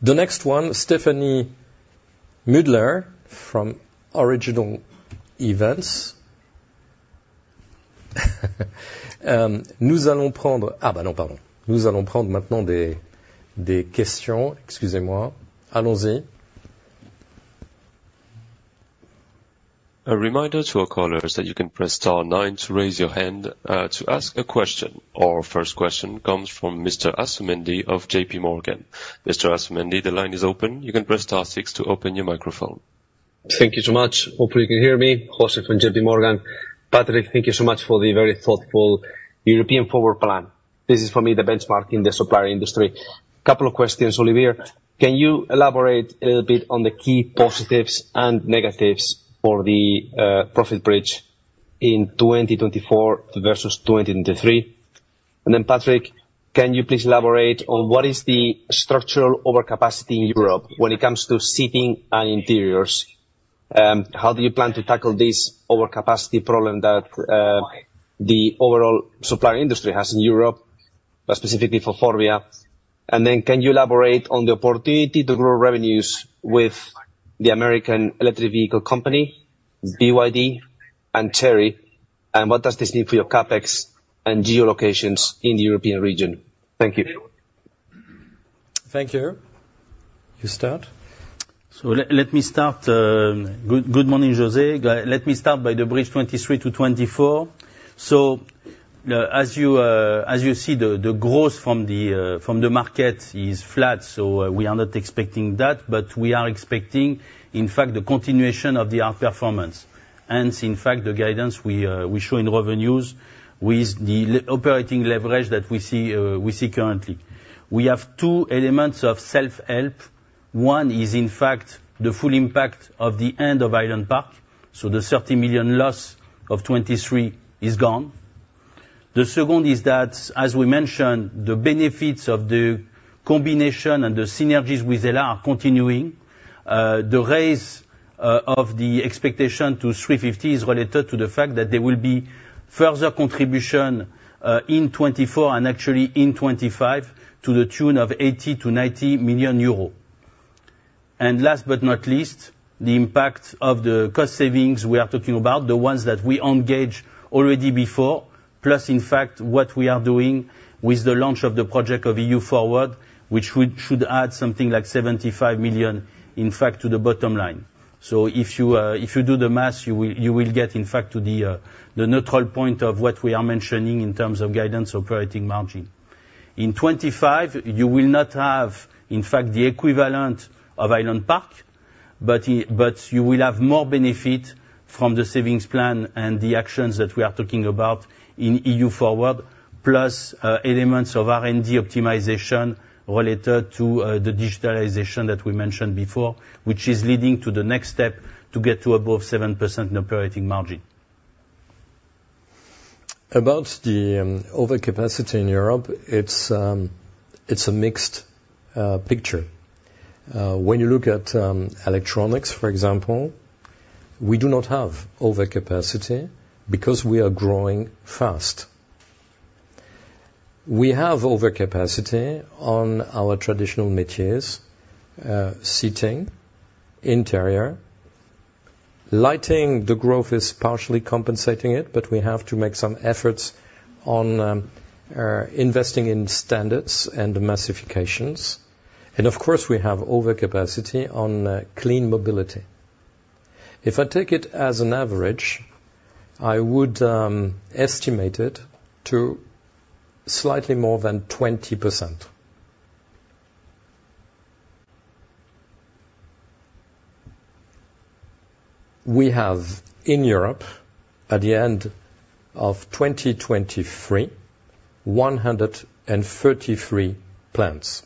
The next one, Stephanie Middler, from Original Events. A reminder to our callers that you can press star nine to raise your hand to ask a question. Our first question comes from Mr. Asumendi of JPMorgan. Mr. Asumendi, the line is open. You can press star six to open your microphone. Thank you so much. Hopefully you can hear me. José from JPMorgan. Patrick, thank you so much for the very thoughtful EU Forward plan. This is, for me, the benchmark in the supplier industry. Couple of questions, Olivier. Can you elaborate a little bit on the key positives and negatives for the profit bridge in 2024 versus 2023? And then, Patrick, can you please elaborate on what is the structural overcapacity in Europe when it comes to seating and interiors? How do you plan to tackle this overcapacity problem that the overall supplier industry has in Europe, but specifically for Forvia? And then can you elaborate on the opportunity to grow revenues with the American Electric Vehicle Company, BYD and Chery, and what does this mean for your CapEx and geolocations in the European region? Thank you. Thank you. You start. Good morning, José. Let me start by the bridge 2023 to 2024. So, as you see, the growth from the market is flat, so we are not expecting that, but we are expecting, in fact, the continuation of the outperformance. And in fact, the guidance we show in revenues with the operating leverage that we see currently. We have two elements of self-help. One is, in fact, the full impact of the end of Highland Park, so the 30 million loss of 2023 is gone. The second is that, as we mentioned, the benefits of the combination and the synergies with HELLA are continuing. The raise of the expectation to 350 is related to the fact that there will be further contribution in 2024 and actually in 2025 to the tune of 80 million-90 million euro. And last but not least, the impact of the cost savings we are talking about, the ones that we engaged already before, plus in fact, what we are doing with the launch of the project of EU Forward, which would- should add something like 75 million, in fact, to the bottom line. So if you do the math, you will get, in fact, to the neutral point of what we are mentioning in terms of guidance operating margin. In 2025, you will not have, in fact, the equivalent of Highland Park, but you will have more benefit from the savings plan and the actions that we are talking about in EU Forward, plus elements of R&D optimization related to the digitalization that we mentioned before, which is leading to the next step to get to above 7% in operating margin. About the overcapacity in Europe, it's a mixed picture. When you look at electronics, for example, we do not have overcapacity because we are growing fast. We have overcapacity on our traditional métiers, seating, interior. Lighting, the growth is partially compensating it, but we have to make some efforts on investing in standards and massifications. And of course, we have overcapacity on clean mobility. If I take it as an average, I would estimate it to slightly more than 20%. We have, in Europe, at the end of 2023, 133 plants.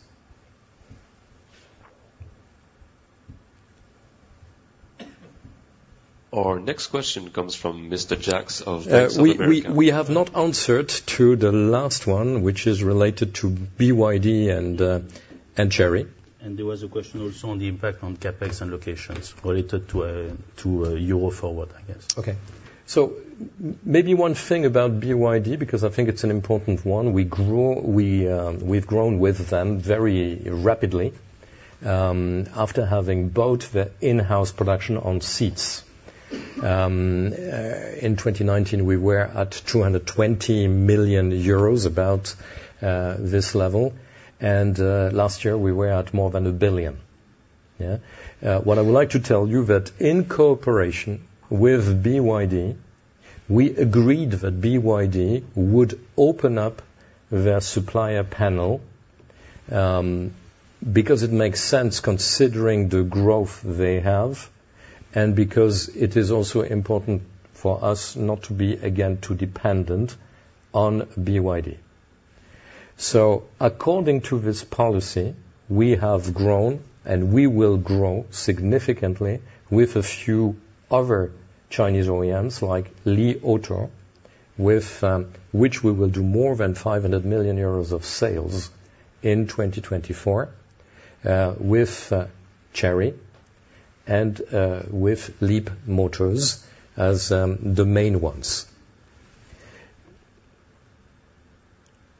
Our next question comes from Mr. Jacks of Bank of America. We have not answered to the last one, which is related to BYD and Chery. There was a question also on the impact on CapEx and locations related to EU Forward, I guess. Okay. So maybe one thing about BYD, because I think it's an important one, we've grown with them very rapidly, after having both the in-house production on seats. In 2019, we were at 220 million euros, about this level, and last year we were at more than 1 billion. Yeah. What I would like to tell you that in cooperation with BYD, we agreed that BYD would open up their supplier panel, because it makes sense, considering the growth they have, and because it is also important for us not to be, again, too dependent on BYD. So according to this policy, we have grown, and we will grow significantly with a few other Chinese OEMs, like Li Auto, with which we will do more than 500 million euros of sales in 2024, with Chery and with Leapmotor as the main ones.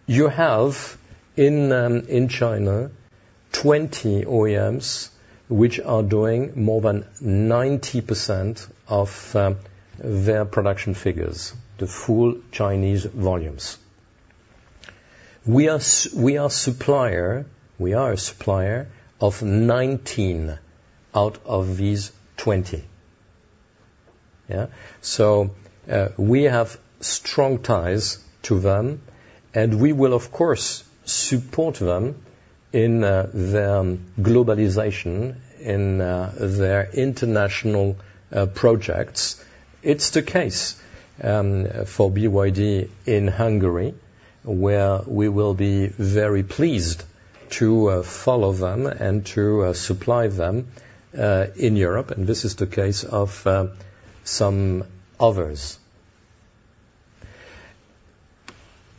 You have, in China, 20 OEMs, which are doing more than 90% of their production figures, the full Chinese volumes. We are a supplier of 19 out of these 20. Yeah? So, we have strong ties to them, and we will, of course, support them in their globalization, in their international projects. It's the case for BYD in Hungary, where we will be very pleased to follow them and to supply them in Europe, and this is the case of some others.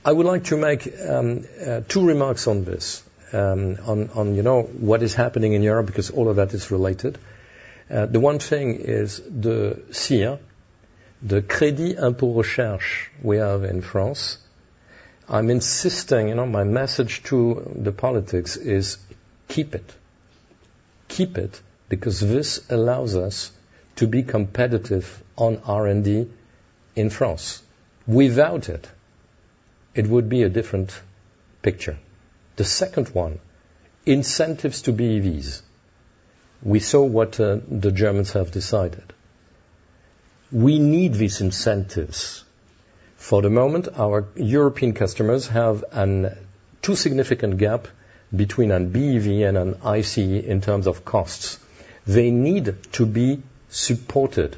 I would like to make two remarks on this, on, you know, what is happening in Europe, because all of that is related. The one thing is the CIR, the Crédit d'impôt recherche we have in France. I'm insisting, you know, my message to the politics is: keep it. Keep it, because this allows us to be competitive on R&D in France. Without it, it would be a different picture. The second one, incentives to BEVs. We saw what the Germans have decided. We need these incentives. For the moment, our European customers have a too significant gap between a BEV and an ICE in terms of costs. They need to be supported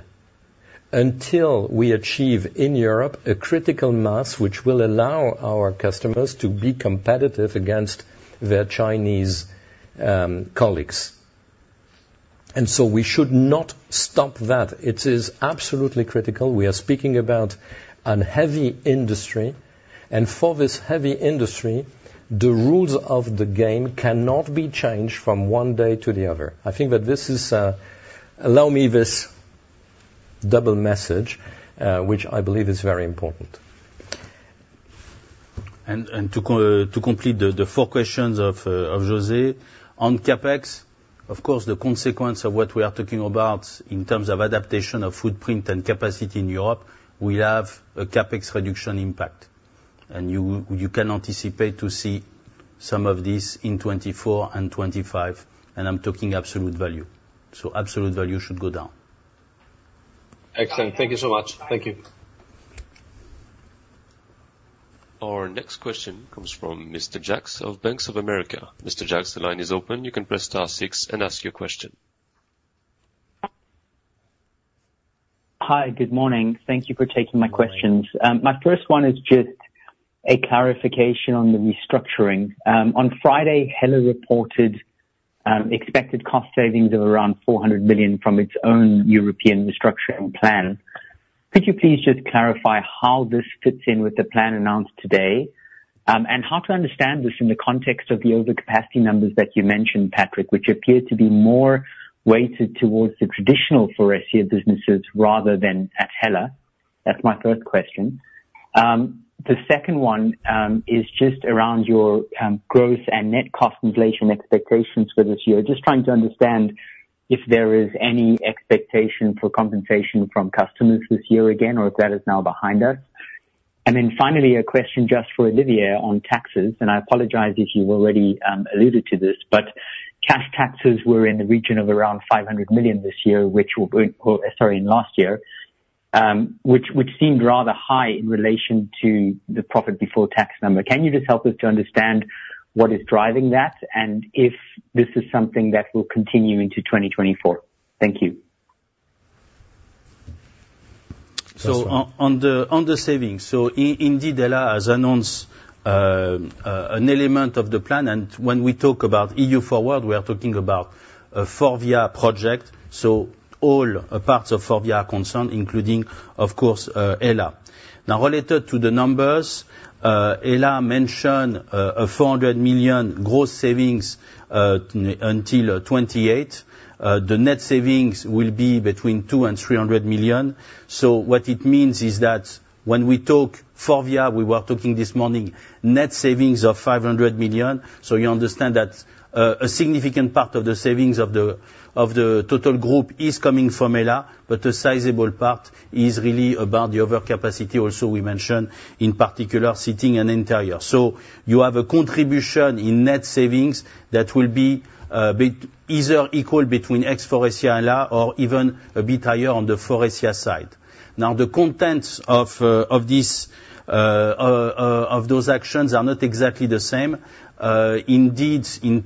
until we achieve, in Europe, a critical mass, which will allow our customers to be competitive against their Chinese colleagues. And so we should not stop that. It is absolutely critical. We are speaking about a heavy industry, and for this heavy industry, the rules of the game cannot be changed from one day to the other. I think that this is. Allow me this double message, which I believe is very important. And to complete the four questions of José. On CapEx, of course, the consequence of what we are talking about in terms of adaptation of footprint and capacity in Europe, we have a CapEx reduction impact, and you can anticipate to see some of this in 2024 and 2025, and I'm talking absolute value. So absolute value should go down. Excellent. Thank you so much. Thank you. Our next question comes from Mr. Jacks of Bank of America. Mr. Jacks, the line is open. You can press star six and ask your question. Hi, good morning. Thank you for taking my questions. My first one is just a clarification on the restructuring. On Friday, HELLA reported expected cost savings of around 400 million from its own European restructuring plan. Could you please just clarify how this fits in with the plan announced today? And how to understand this in the context of the overcapacity numbers that you mentioned, Patrick, which appear to be more weighted towards the traditional Faurecia businesses rather than at HELLA? That's my first question. The second one is just around your growth and net cost inflation expectations for this year. Just trying to understand if there is any expectation for compensation from customers this year again, or if that is now behind us. Then finally, a question just for Olivier on taxes, and I apologize if you've already alluded to this, but cash taxes were in the region of around 500 million this year, which will go... Sorry, in last year, which seemed rather high in relation to the profit before tax number. Can you just help us to understand what is driving that, and if this is something that will continue into 2024? Thank you. On the savings, indeed, HELLA has announced an element of the plan, and when we talk about EU Forward, we are talking about a Forvia project, so all parts of Forvia are concerned, including, of course, HELLA. Now, related to the numbers, HELLA mentioned a 400 million gross savings until 2028. The net savings will be between 200 million and 300 million. So what it means is that when we talk Forvia, we were talking this morning, net savings of 500 million. So you understand that a significant part of the savings of the total group is coming from HELLA, but a sizable part is really about the overcapacity. Also, we mentioned in particular, seating and interior. So you have a contribution in net savings that will be either equal between ex-Faurecia and HELLA or even a bit higher on the Faurecia side. Now, the contents of those actions are not exactly the same. Indeed, in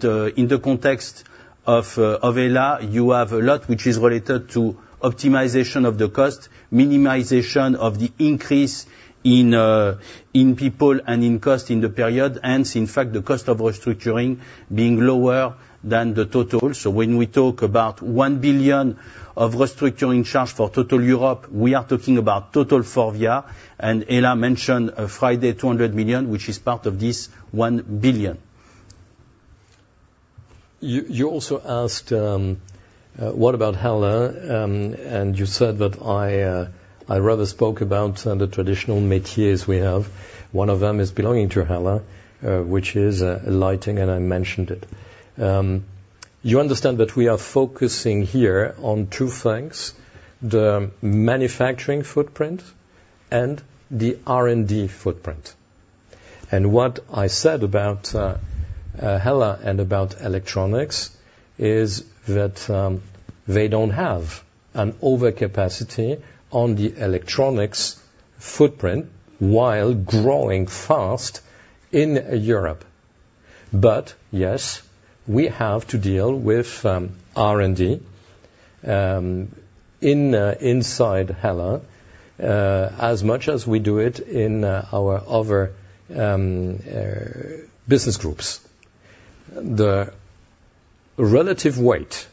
the context of HELLA, you have a lot which is related to optimization of the cost, minimization of the increase in people and in cost in the period, hence, in fact, the cost of restructuring being lower than the total. So when we talk about 1 billion of restructuring charge for total Europe, we are talking about total Forvia, and HELLA mentioned Friday, 200 million, which is part of this 1 billion. You, you also asked, what about HELLA? And you said that I rather spoke about the traditional métiers we have. One of them is belonging to HELLA, which is lighting, and I mentioned it. You understand that we are focusing here on two things, the manufacturing footprint and the R&D footprint. And what I said about HELLA and about electronics is that they don't have an overcapacity on the electronics footprint while growing fast in Europe. But yes, we have to deal with R&D in inside HELLA, as much as we do it in our other business groups. The relative weight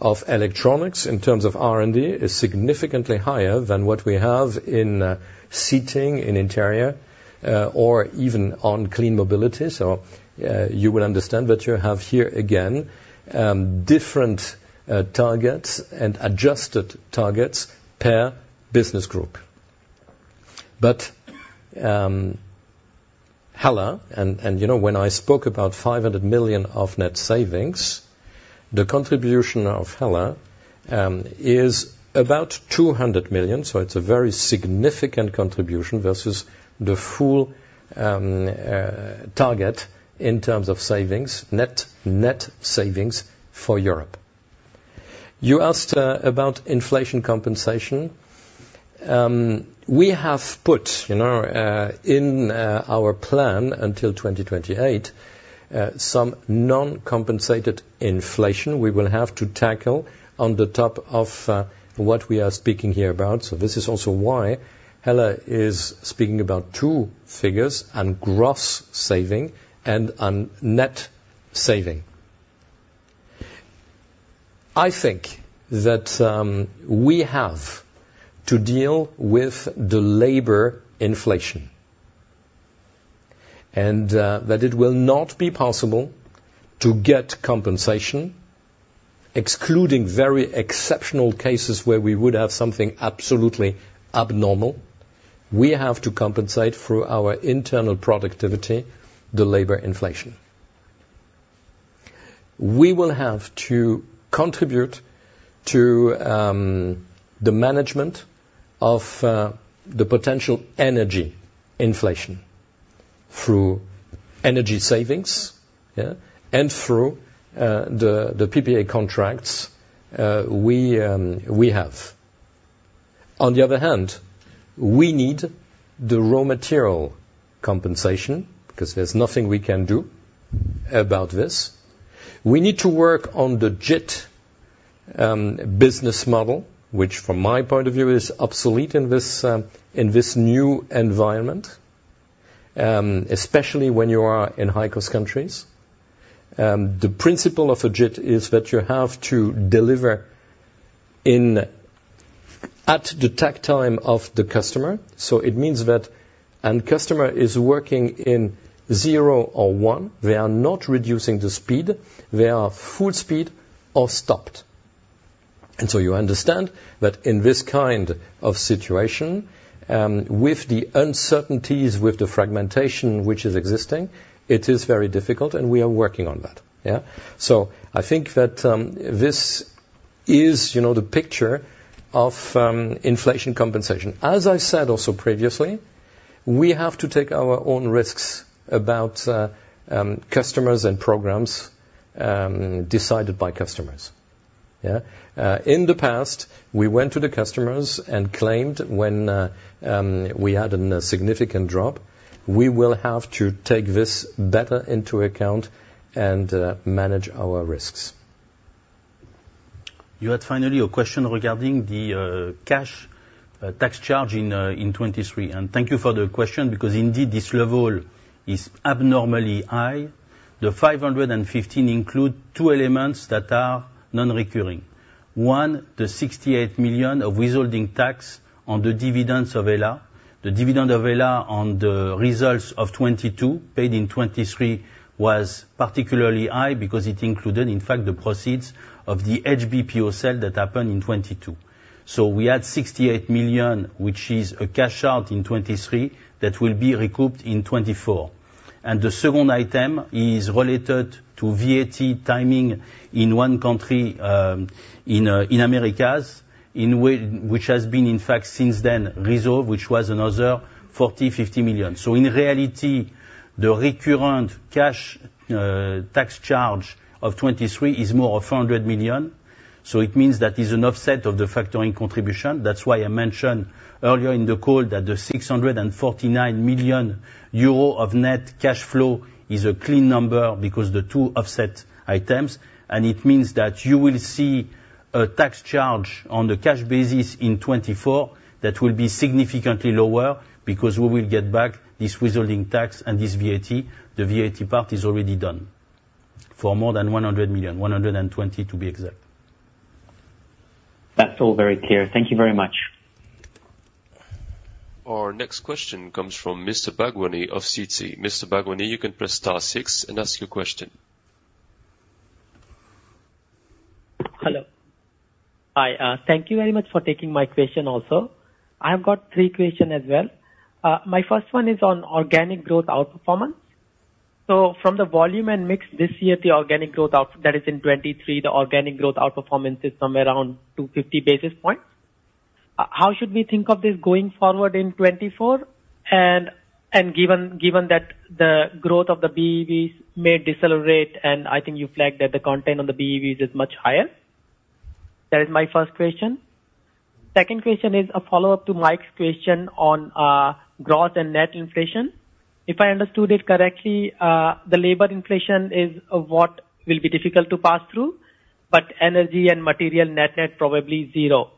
of electronics in terms of R&D is significantly higher than what we have in seating, in Interiors, or even on Clean Mobility. So, you will understand that you have here, again, different targets and adjusted targets per business group. But, HELLA, and, you know, when I spoke about 500 million of net savings, the contribution of HELLA is about 200 million. So it's a very significant contribution versus the full target in terms of savings, net, net savings for Europe. You asked about inflation compensation. We have put, you know, in our plan until 2028, some non-compensated inflation we will have to tackle on the top of what we are speaking here about. So this is also why HELLA is speaking about two figures, on gross saving and on net saving. I think that we have to deal with the labor inflation, and that it will not be possible to get compensation-... Excluding very exceptional cases where we would have something absolutely abnormal, we have to compensate through our internal productivity, the labor inflation. We will have to contribute to the management of the potential energy inflation through energy savings, yeah, and through the PPA contracts we have. On the other hand, we need the raw material compensation because there's nothing we can do about this. We need to work on the JIT business model, which from my point of view, is obsolete in this new environment, especially when you are in high-cost countries. The principle of a JIT is that you have to deliver in at the takt time of the customer. So it means that a customer is working in zero or one. They are not reducing the speed. They are full speed or stopped. So you understand that in this kind of situation, with the uncertainties, with the fragmentation which is existing, it is very difficult, and we are working on that, yeah? So I think that, this is, you know, the picture of, inflation compensation. As I said also previously, we have to take our own risks about, customers and programs, decided by customers. Yeah. In the past, we went to the customers and claimed when, we had a significant drop. We will have to take this better into account and, manage our risks. You had finally a question regarding the cash tax charge in 2023. Thank you for the question because indeed, this level is abnormally high. The 515 million include two elements that are non-recurring. One, the 68 million of withholding tax on the dividends of Hella. The dividend of Hella on the results of 2022, paid in 2023, was particularly high because it included, in fact, the proceeds of the HBPO sale that happened in 2022. So we had 68 million, which is a cash out in 2023, that will be recouped in 2024. And the second item is related to VAT timing in one country in the Americas, anyway, which has been, in fact, since then, resolved, which was another 40-50 million. So in reality, the recurrent cash tax charge of 2023 is more of 100 million. It means that is an offset of the factoring contribution. That's why I mentioned earlier in the call that the 649 million euro of net cash flow is a clean number because the two offset items, and it means that you will see a tax charge on the cash basis in 2024, that will be significantly lower because we will get back this withholding tax and this VAT. The VAT part is already done for more than 100 million, 120, to be exact. That's all very clear. Thank you very much. Our next question comes from Mr. Bhagwani of Citi. Mr. Bhagwani, you can press star six and ask your question. Hello. Hi, thank you very much for taking my question also. I have got three question as well. My first one is on organic growth outperformance. So from the volume and mix this year, the organic growth outperformance that is in 2023, the organic growth outperformance is somewhere around 250 basis points. How should we think of this going forward in 2024, and given that the growth of the BEVs may decelerate, and I think you flagged that the content on the BEVs is much higher? That is my first question. Second question is a follow-up to Mike's question on growth and net inflation. If I understood it correctly, the labor inflation is what will be difficult to pass through, but energy and material net-net, probably zero.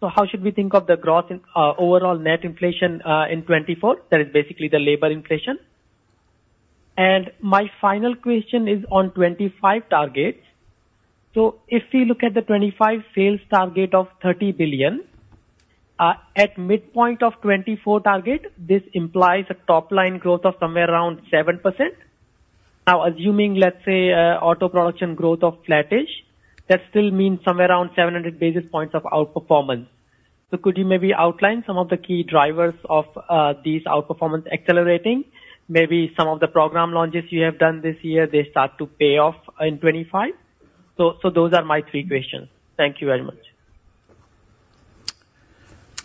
So how should we think of the growth in overall net inflation in 2024? That is basically the labor inflation. And my final question is on 2025 targets. So if we look at the 2025 sales target of 30 billion, at midpoint of 2024 target, this implies a top-line growth of somewhere around 7%. Now, assuming, let's say, auto production growth of flattish, that still means somewhere around 700 basis points of outperformance. So could you maybe outline some of the key drivers of these outperformance accelerating? Maybe some of the program launches you have done this year, they start to pay off in 2025. So those are my three questions. Thank you very much.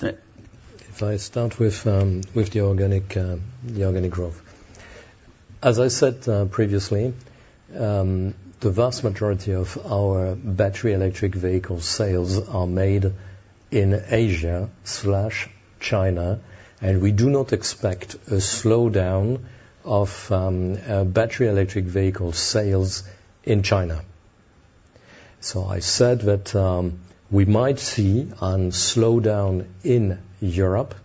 If I start with the organic growth. As I said previously, the vast majority of our battery electric vehicle sales are made in Asia slash China, and we do not expect a slowdown of battery electric vehicle sales in China. So I said that we might see a slowdown in Europe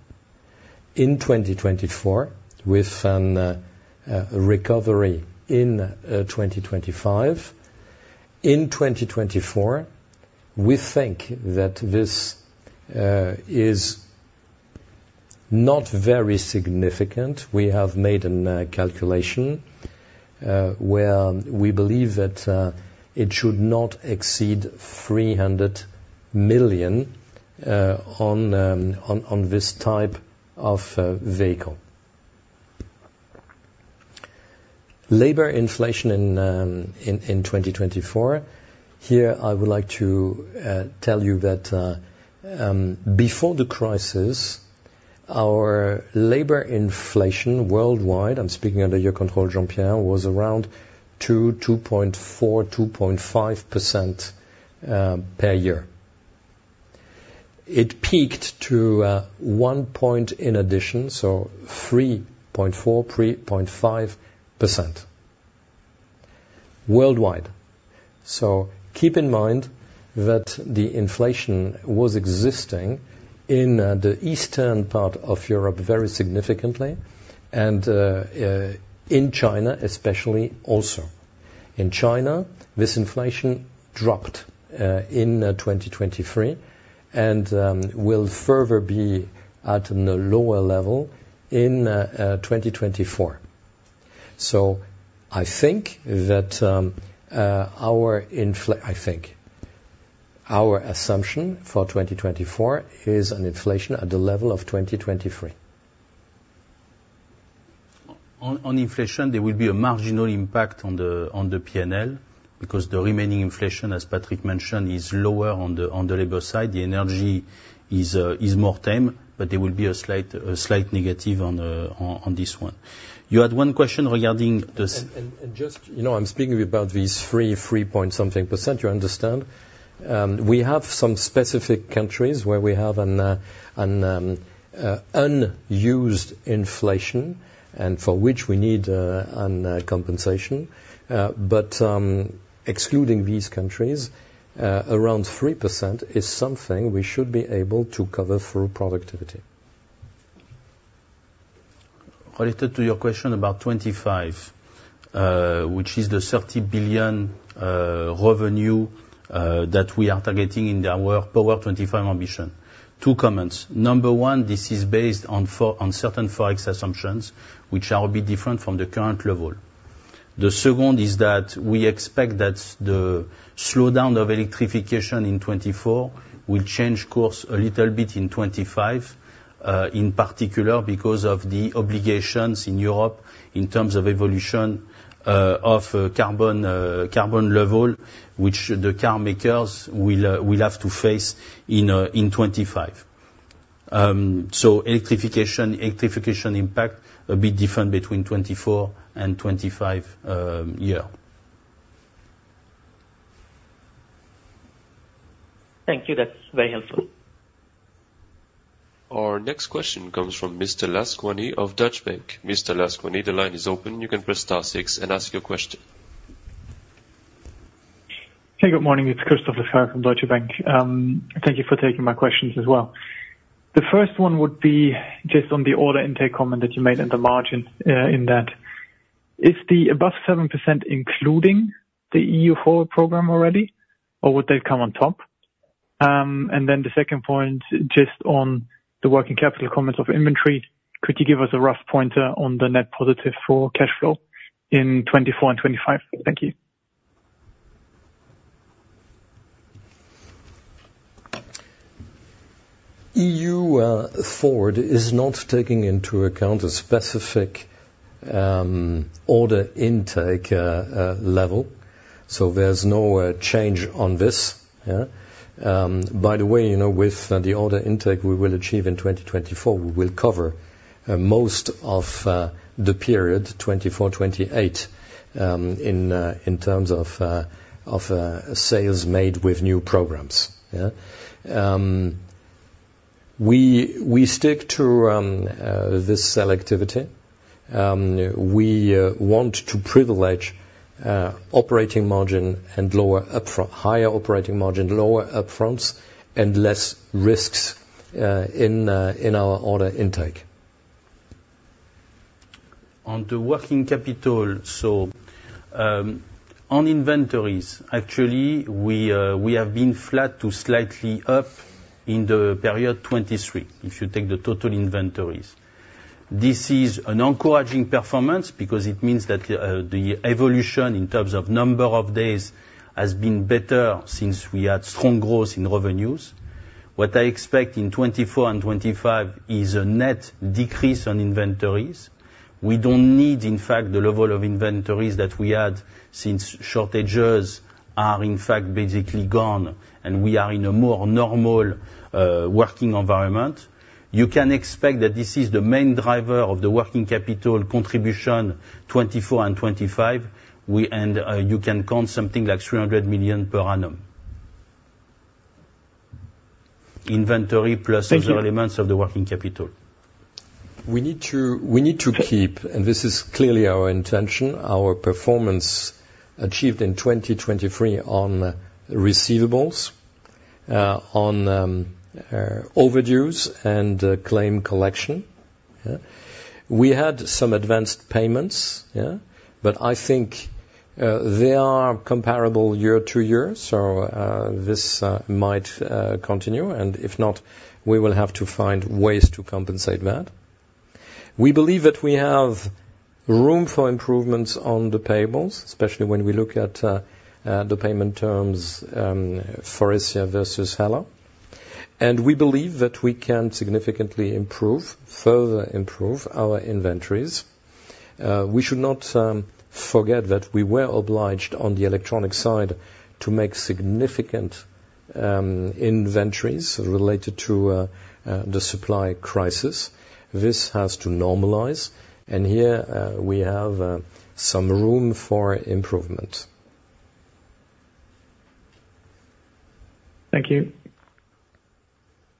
in 2024, with an recovery in 2025. In 2024, we think that this is not very significant. We have made an calculation where we believe that it should not exceed 300 million on this type of vehicle. Labor inflation in 2024, here, I would like to tell you that, before the crisis, our labor inflation worldwide, I'm speaking under your control, Jean-Pierre, was around 2.4-2.5% per year. It peaked to one point in addition, so 3.4-3.5% worldwide. So keep in mind that the inflation was existing in the eastern part of Europe very significantly, and in China, especially also. In China, this inflation dropped in 2023 and will further be at a lower level in 2024. So I think that our assumption for 2024 is an inflation at the level of 2023. On inflation, there will be a marginal impact on the P&L, because the remaining inflation, as Patrick mentioned, is lower on the labor side. The energy is more tame, but there will be a slight negative on this one. You had one question regarding the s- Just, you know, I'm speaking about these 3.something%, you understand? We have some specific countries where we have an unusual inflation, and for which we need a compensation. But excluding these countries, around 3% is something we should be able to cover through productivity. Related to your question about 25, which is the 30 billion revenue that we are targeting in our Power25 ambition. 2 comments: number 1, this is based on on certain Forex assumptions, which are a bit different from the current level. The second is that we expect that the slowdown of electrification in 2024 will change course a little bit in 2025, in particular, because of the obligations in Europe in terms of evolution of carbon carbon level, which the car makers will will have to face in in 2025. So electrification, electrification impact a bit different between 2024 and 2025, year. Thank you. That's very helpful. Our next question comes from Mr. Laskawi of Deutsche Bank. Mr. Laskawi, the line is open. You can press star six and ask your question. Hey, good morning. It's Christoph Laskawi from Deutsche Bank. Thank you for taking my questions as well. The first one would be just on the order intake comment that you made at the margin, in that. Is the above 7% including the EU Forward program already, or would they come on top? And then the second point, just on the working capital comments of inventory, could you give us a rough pointer on the net positive for cash flow in 2024 and 2025? Thank you. EU Forward is not taking into account a specific order intake level, so there's no change on this. Yeah. By the way, you know, with the order intake we will achieve in 2024, we will cover most of the period 2024-2028 in terms of sales made with new programs, yeah? We stick to this selectivity. We want to privilege operating margin and lower up-- higher operating margin, lower up-fronts, and less risks in our order intake. On the working capital, so, on inventories, actually, we, we have been flat to slightly up in the period 2023, if you take the total inventories. This is an encouraging performance because it means that, the evolution in terms of number of days has been better since we had strong growth in revenues. What I expect in 2024 and 2025 is a net decrease on inventories. We don't need, in fact, the level of inventories that we had, since shortages are, in fact, basically gone, and we are in a more normal, working environment. You can expect that this is the main driver of the working capital contribution, 2024 and 2025. And, you can count something like 300 million per annum. Inventory plus- Thank you. Other elements of the working capital. We need to keep, and this is clearly our intention, our performance achieved in 2023 on receivables, on overdues and claim collection.... We had some advanced payments, yeah, but I think, they are comparable year to year, so, this might continue, and if not, we will have to find ways to compensate that. We believe that we have room for improvements on the payables, especially when we look at the payment terms, Faurecia versus HELLA. We believe that we can significantly improve, further improve our inventories. We should not forget that we were obliged on the electronic side to make significant inventories related to the supply crisis. This has to normalize, and here we have some room for improvement. Thank you.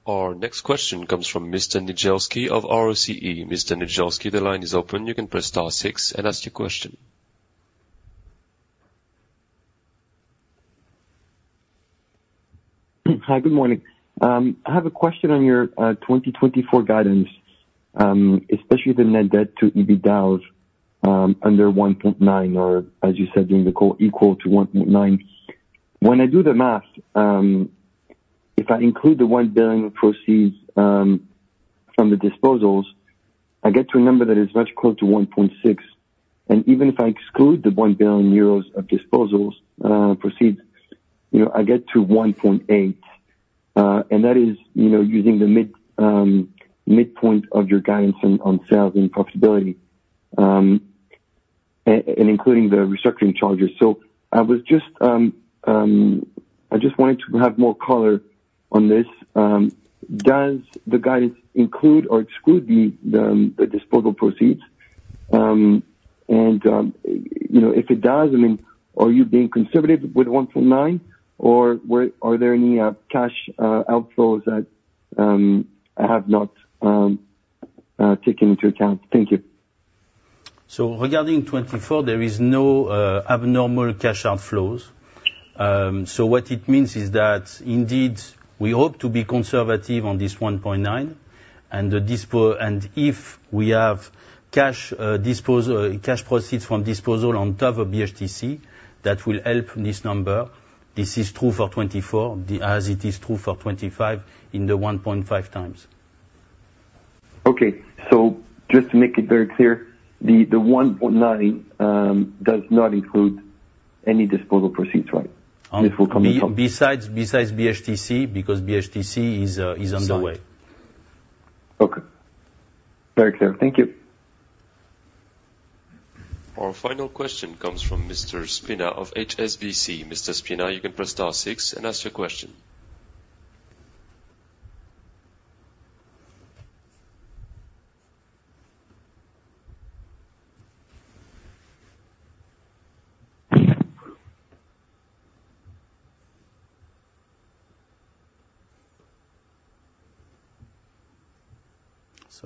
Our next question comes from Mr. Niedzielski of Roche Brune. Mr. Niedzielski, the line is open. You can press star six and ask your question. Hi, good morning. I have a question on your 2024 guidance, especially the net debt to EBITDA, under 1.9, or as you said, during the call, equal to 1.9. When I do the math, if I include the 1 billion of proceeds from the disposals, I get to a number that is much closer to 1.6. And even if I exclude the 1 billion euros of disposals proceeds, you know, I get to 1.8. And that is, you know, using the midpoint of your guidance on sales and profitability, and including the restructuring charges. So I was just, I just wanted to have more color on this. Does the guidance include or exclude the disposal proceeds? You know, if it does, I mean, are you being conservative with 1.9, or are there any cash outflows that I have not taken into account? Thank you. So regarding 2024, there is no abnormal cash outflows. So what it means is that indeed, we hope to be conservative on this 1.9, and if we have cash disposal, cash proceeds from disposal on top of BHTC, that will help this number. This is true for 2024, as it is true for 2025 in the 1.5 times. Okay. So just to make it very clear, the 1.9 does not include any disposal proceeds, right? Besides, besides BHTC, because BHTC is underway. Okay. Very clear. Thank you. Our final question comes from Mr. Spina of HSBC. Mr. Spina, you can press star six and ask your question.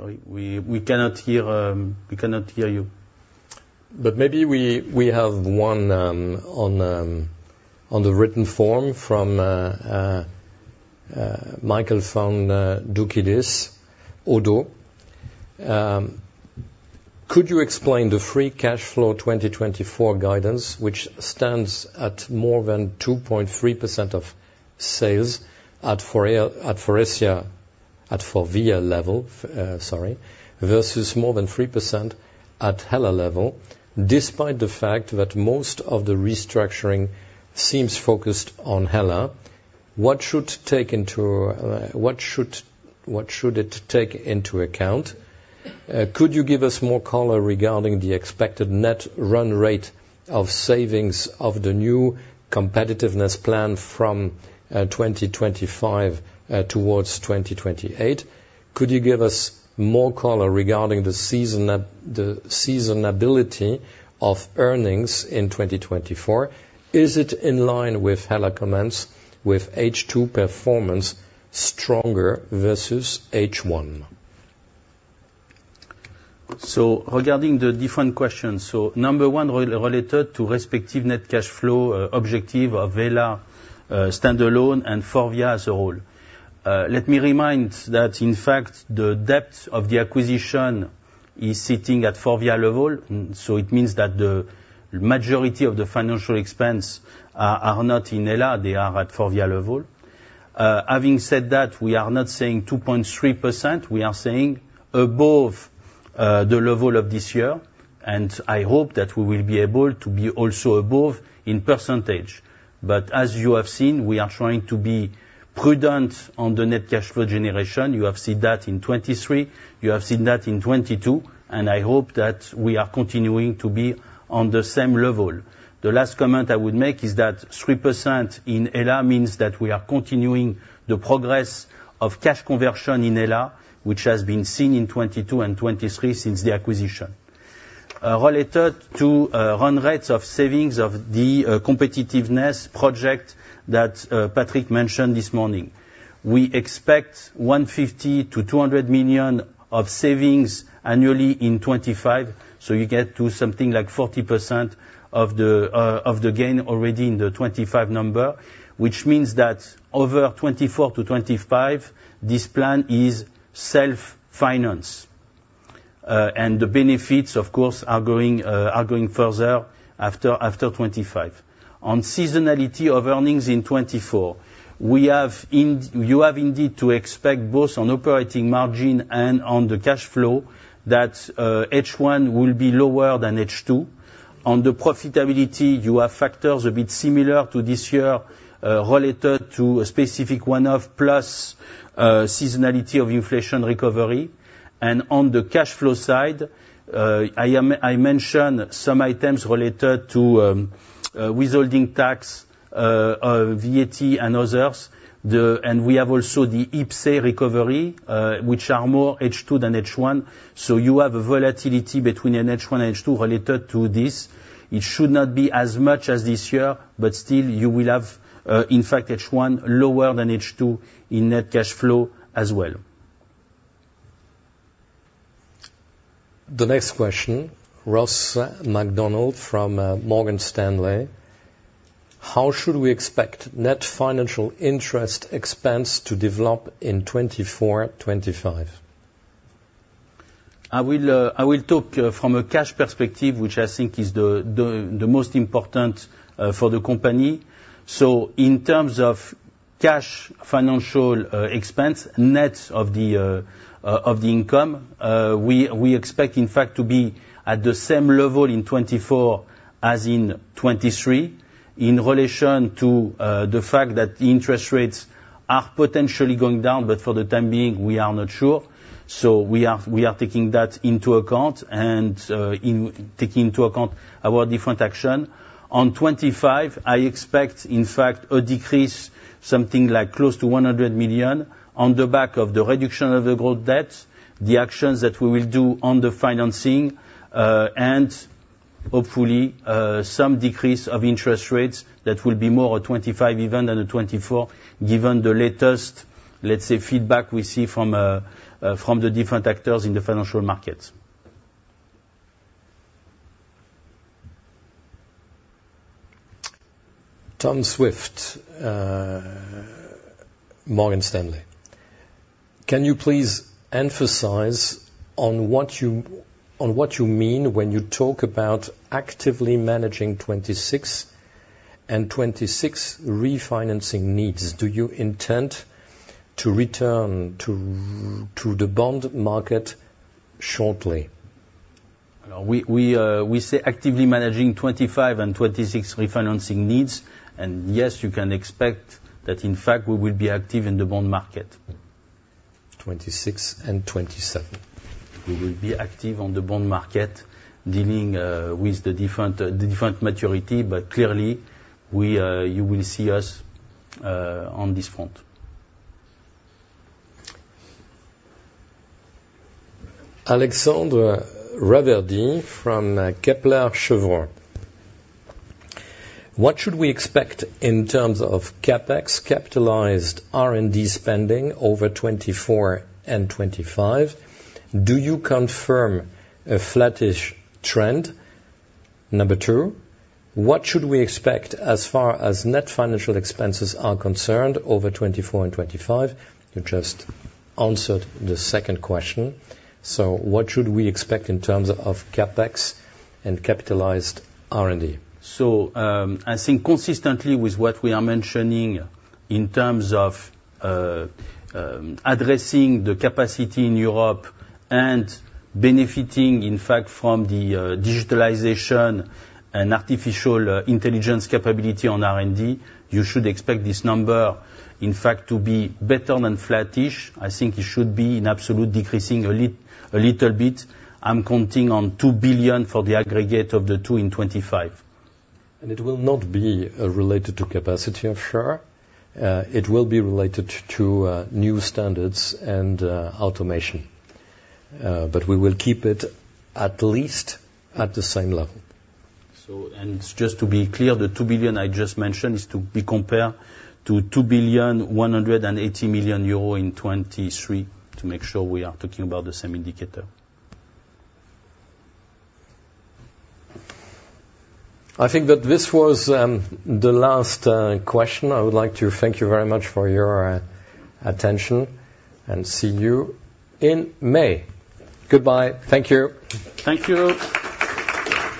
Sorry, we cannot hear you. But maybe we have one on the written form from Michael Foundoukidis, Oddo BHF. Could you explain the free cash flow 2024 guidance, which stands at more than 2.3% of sales at Faurecia, at Forvia level, sorry, versus more than 3% at HELLA level, despite the fact that most of the restructuring seems focused on HELLA. What should take into... What should it take into account? Could you give us more color regarding the expected net run rate of savings of the new competitiveness plan from 2025 towards 2028? Could you give us more color regarding the seasonality of earnings in 2024? Is it in line with HELLA comments, with H II performance stronger versus H I? So regarding the different questions, so number one, related to respective net cash flow objective of HELLA standalone and Forvia as a whole. Let me remind that in fact, the debt of the acquisition is sitting at Forvia level, so it means that the majority of the financial expense are not in HELLA, they are at Forvia level. Having said that, we are not saying 2.3%, we are saying above the level of this year, and I hope that we will be able to be also above in percentage. But as you have seen, we are trying to be prudent on the net cash flow generation. You have seen that in 2023, you have seen that in 2022, and I hope that we are continuing to be on the same level. The last comment I would make is that 3% in HELLA means that we are continuing the progress of cash conversion in HELLA, which has been seen in 2022 and 2023 since the acquisition. Related to run rates of savings of the competitiveness project that Patrick mentioned this morning. We expect 150 million-200 million of savings annually in 2025, so you get to something like 40% of the gain already in the 2025 number, which means that over 2024-2025, this plan is self-finance. And the benefits, of course, are going further after 2025. On seasonality of earnings in 2024, we have you have indeed to expect both on operating margin and on the cash flow, that H I will be lower than H II. On the profitability, you have factors a bit similar to this year, related to a specific one-off, plus seasonality of inflation recovery. On the cash flow side, I mention some items related to withholding tax, VAT and others. We have also the IPC recovery, which are more H II than H I. So you have a volatility between an H I and H II related to this. It should not be as much as this year, but still you will have, in fact, H I lower than H II in net cash flow as well. The next question, Ross MacDonald from Morgan Stanley. How should we expect net financial interest expense to develop in 2024, 2025? I will talk from a cash perspective, which I think is the most important for the company. So in terms of cash financial expense, net of the income, we expect, in fact, to be at the same level in 2024 as in 2023, in relation to the fact that the interest rates are potentially going down, but for the time being, we are not sure. So we are taking that into account, and in taking into account our different action. On 2025, I expect, in fact, a decrease, something like close to 100 million, on the back of the reduction of the growth debt, the actions that we will do on the financing, and hopefully, some decrease of interest rates that will be more at 2025 even than at 2024, given the latest, let's say, feedback we see from the different actors in the financial markets. Tom Swift, Morgan Stanley. Can you please emphasize on what you mean when you talk about actively managing 2026 and 2026 refinancing needs? Do you intend to return to the bond market shortly? We say actively managing 2025 and 2026 refinancing needs, and yes, you can expect that in fact, we will be active in the bond market. 2026 and 2027. We will be active on the bond market, dealing with the different maturity, but clearly, you will see us on this front. Alexandre Raverdy from Kepler Cheuvreux. What should we expect in terms of CapEx, capitalized R&D spending over 2024 and 2025? Do you confirm a flattish trend? Number two, what should we expect as far as net financial expenses are concerned over 2024 and 2025? You just answered the second question, so what should we expect in terms of CapEx and capitalized R&D? So, I think consistently with what we are mentioning in terms of, addressing the capacity in Europe and benefiting, in fact, from the, digitalization and artificial intelligence capability on R&D, you should expect this number, in fact, to be better than flattish. I think it should be in absolute decreasing a little bit. I'm counting on 2 billion for the aggregate of the two in 2025. It will not be related to capacity, I'm sure. It will be related to new standards and automation. But we will keep it at least at the same level. Just to be clear, the 2 billion I just mentioned is to be compared to 2.18 billion in 2023, to make sure we are talking about the same indicator. I think that this was the last question. I would like to thank you very much for your attention and see you in May. Goodbye. Thank you. Thank you.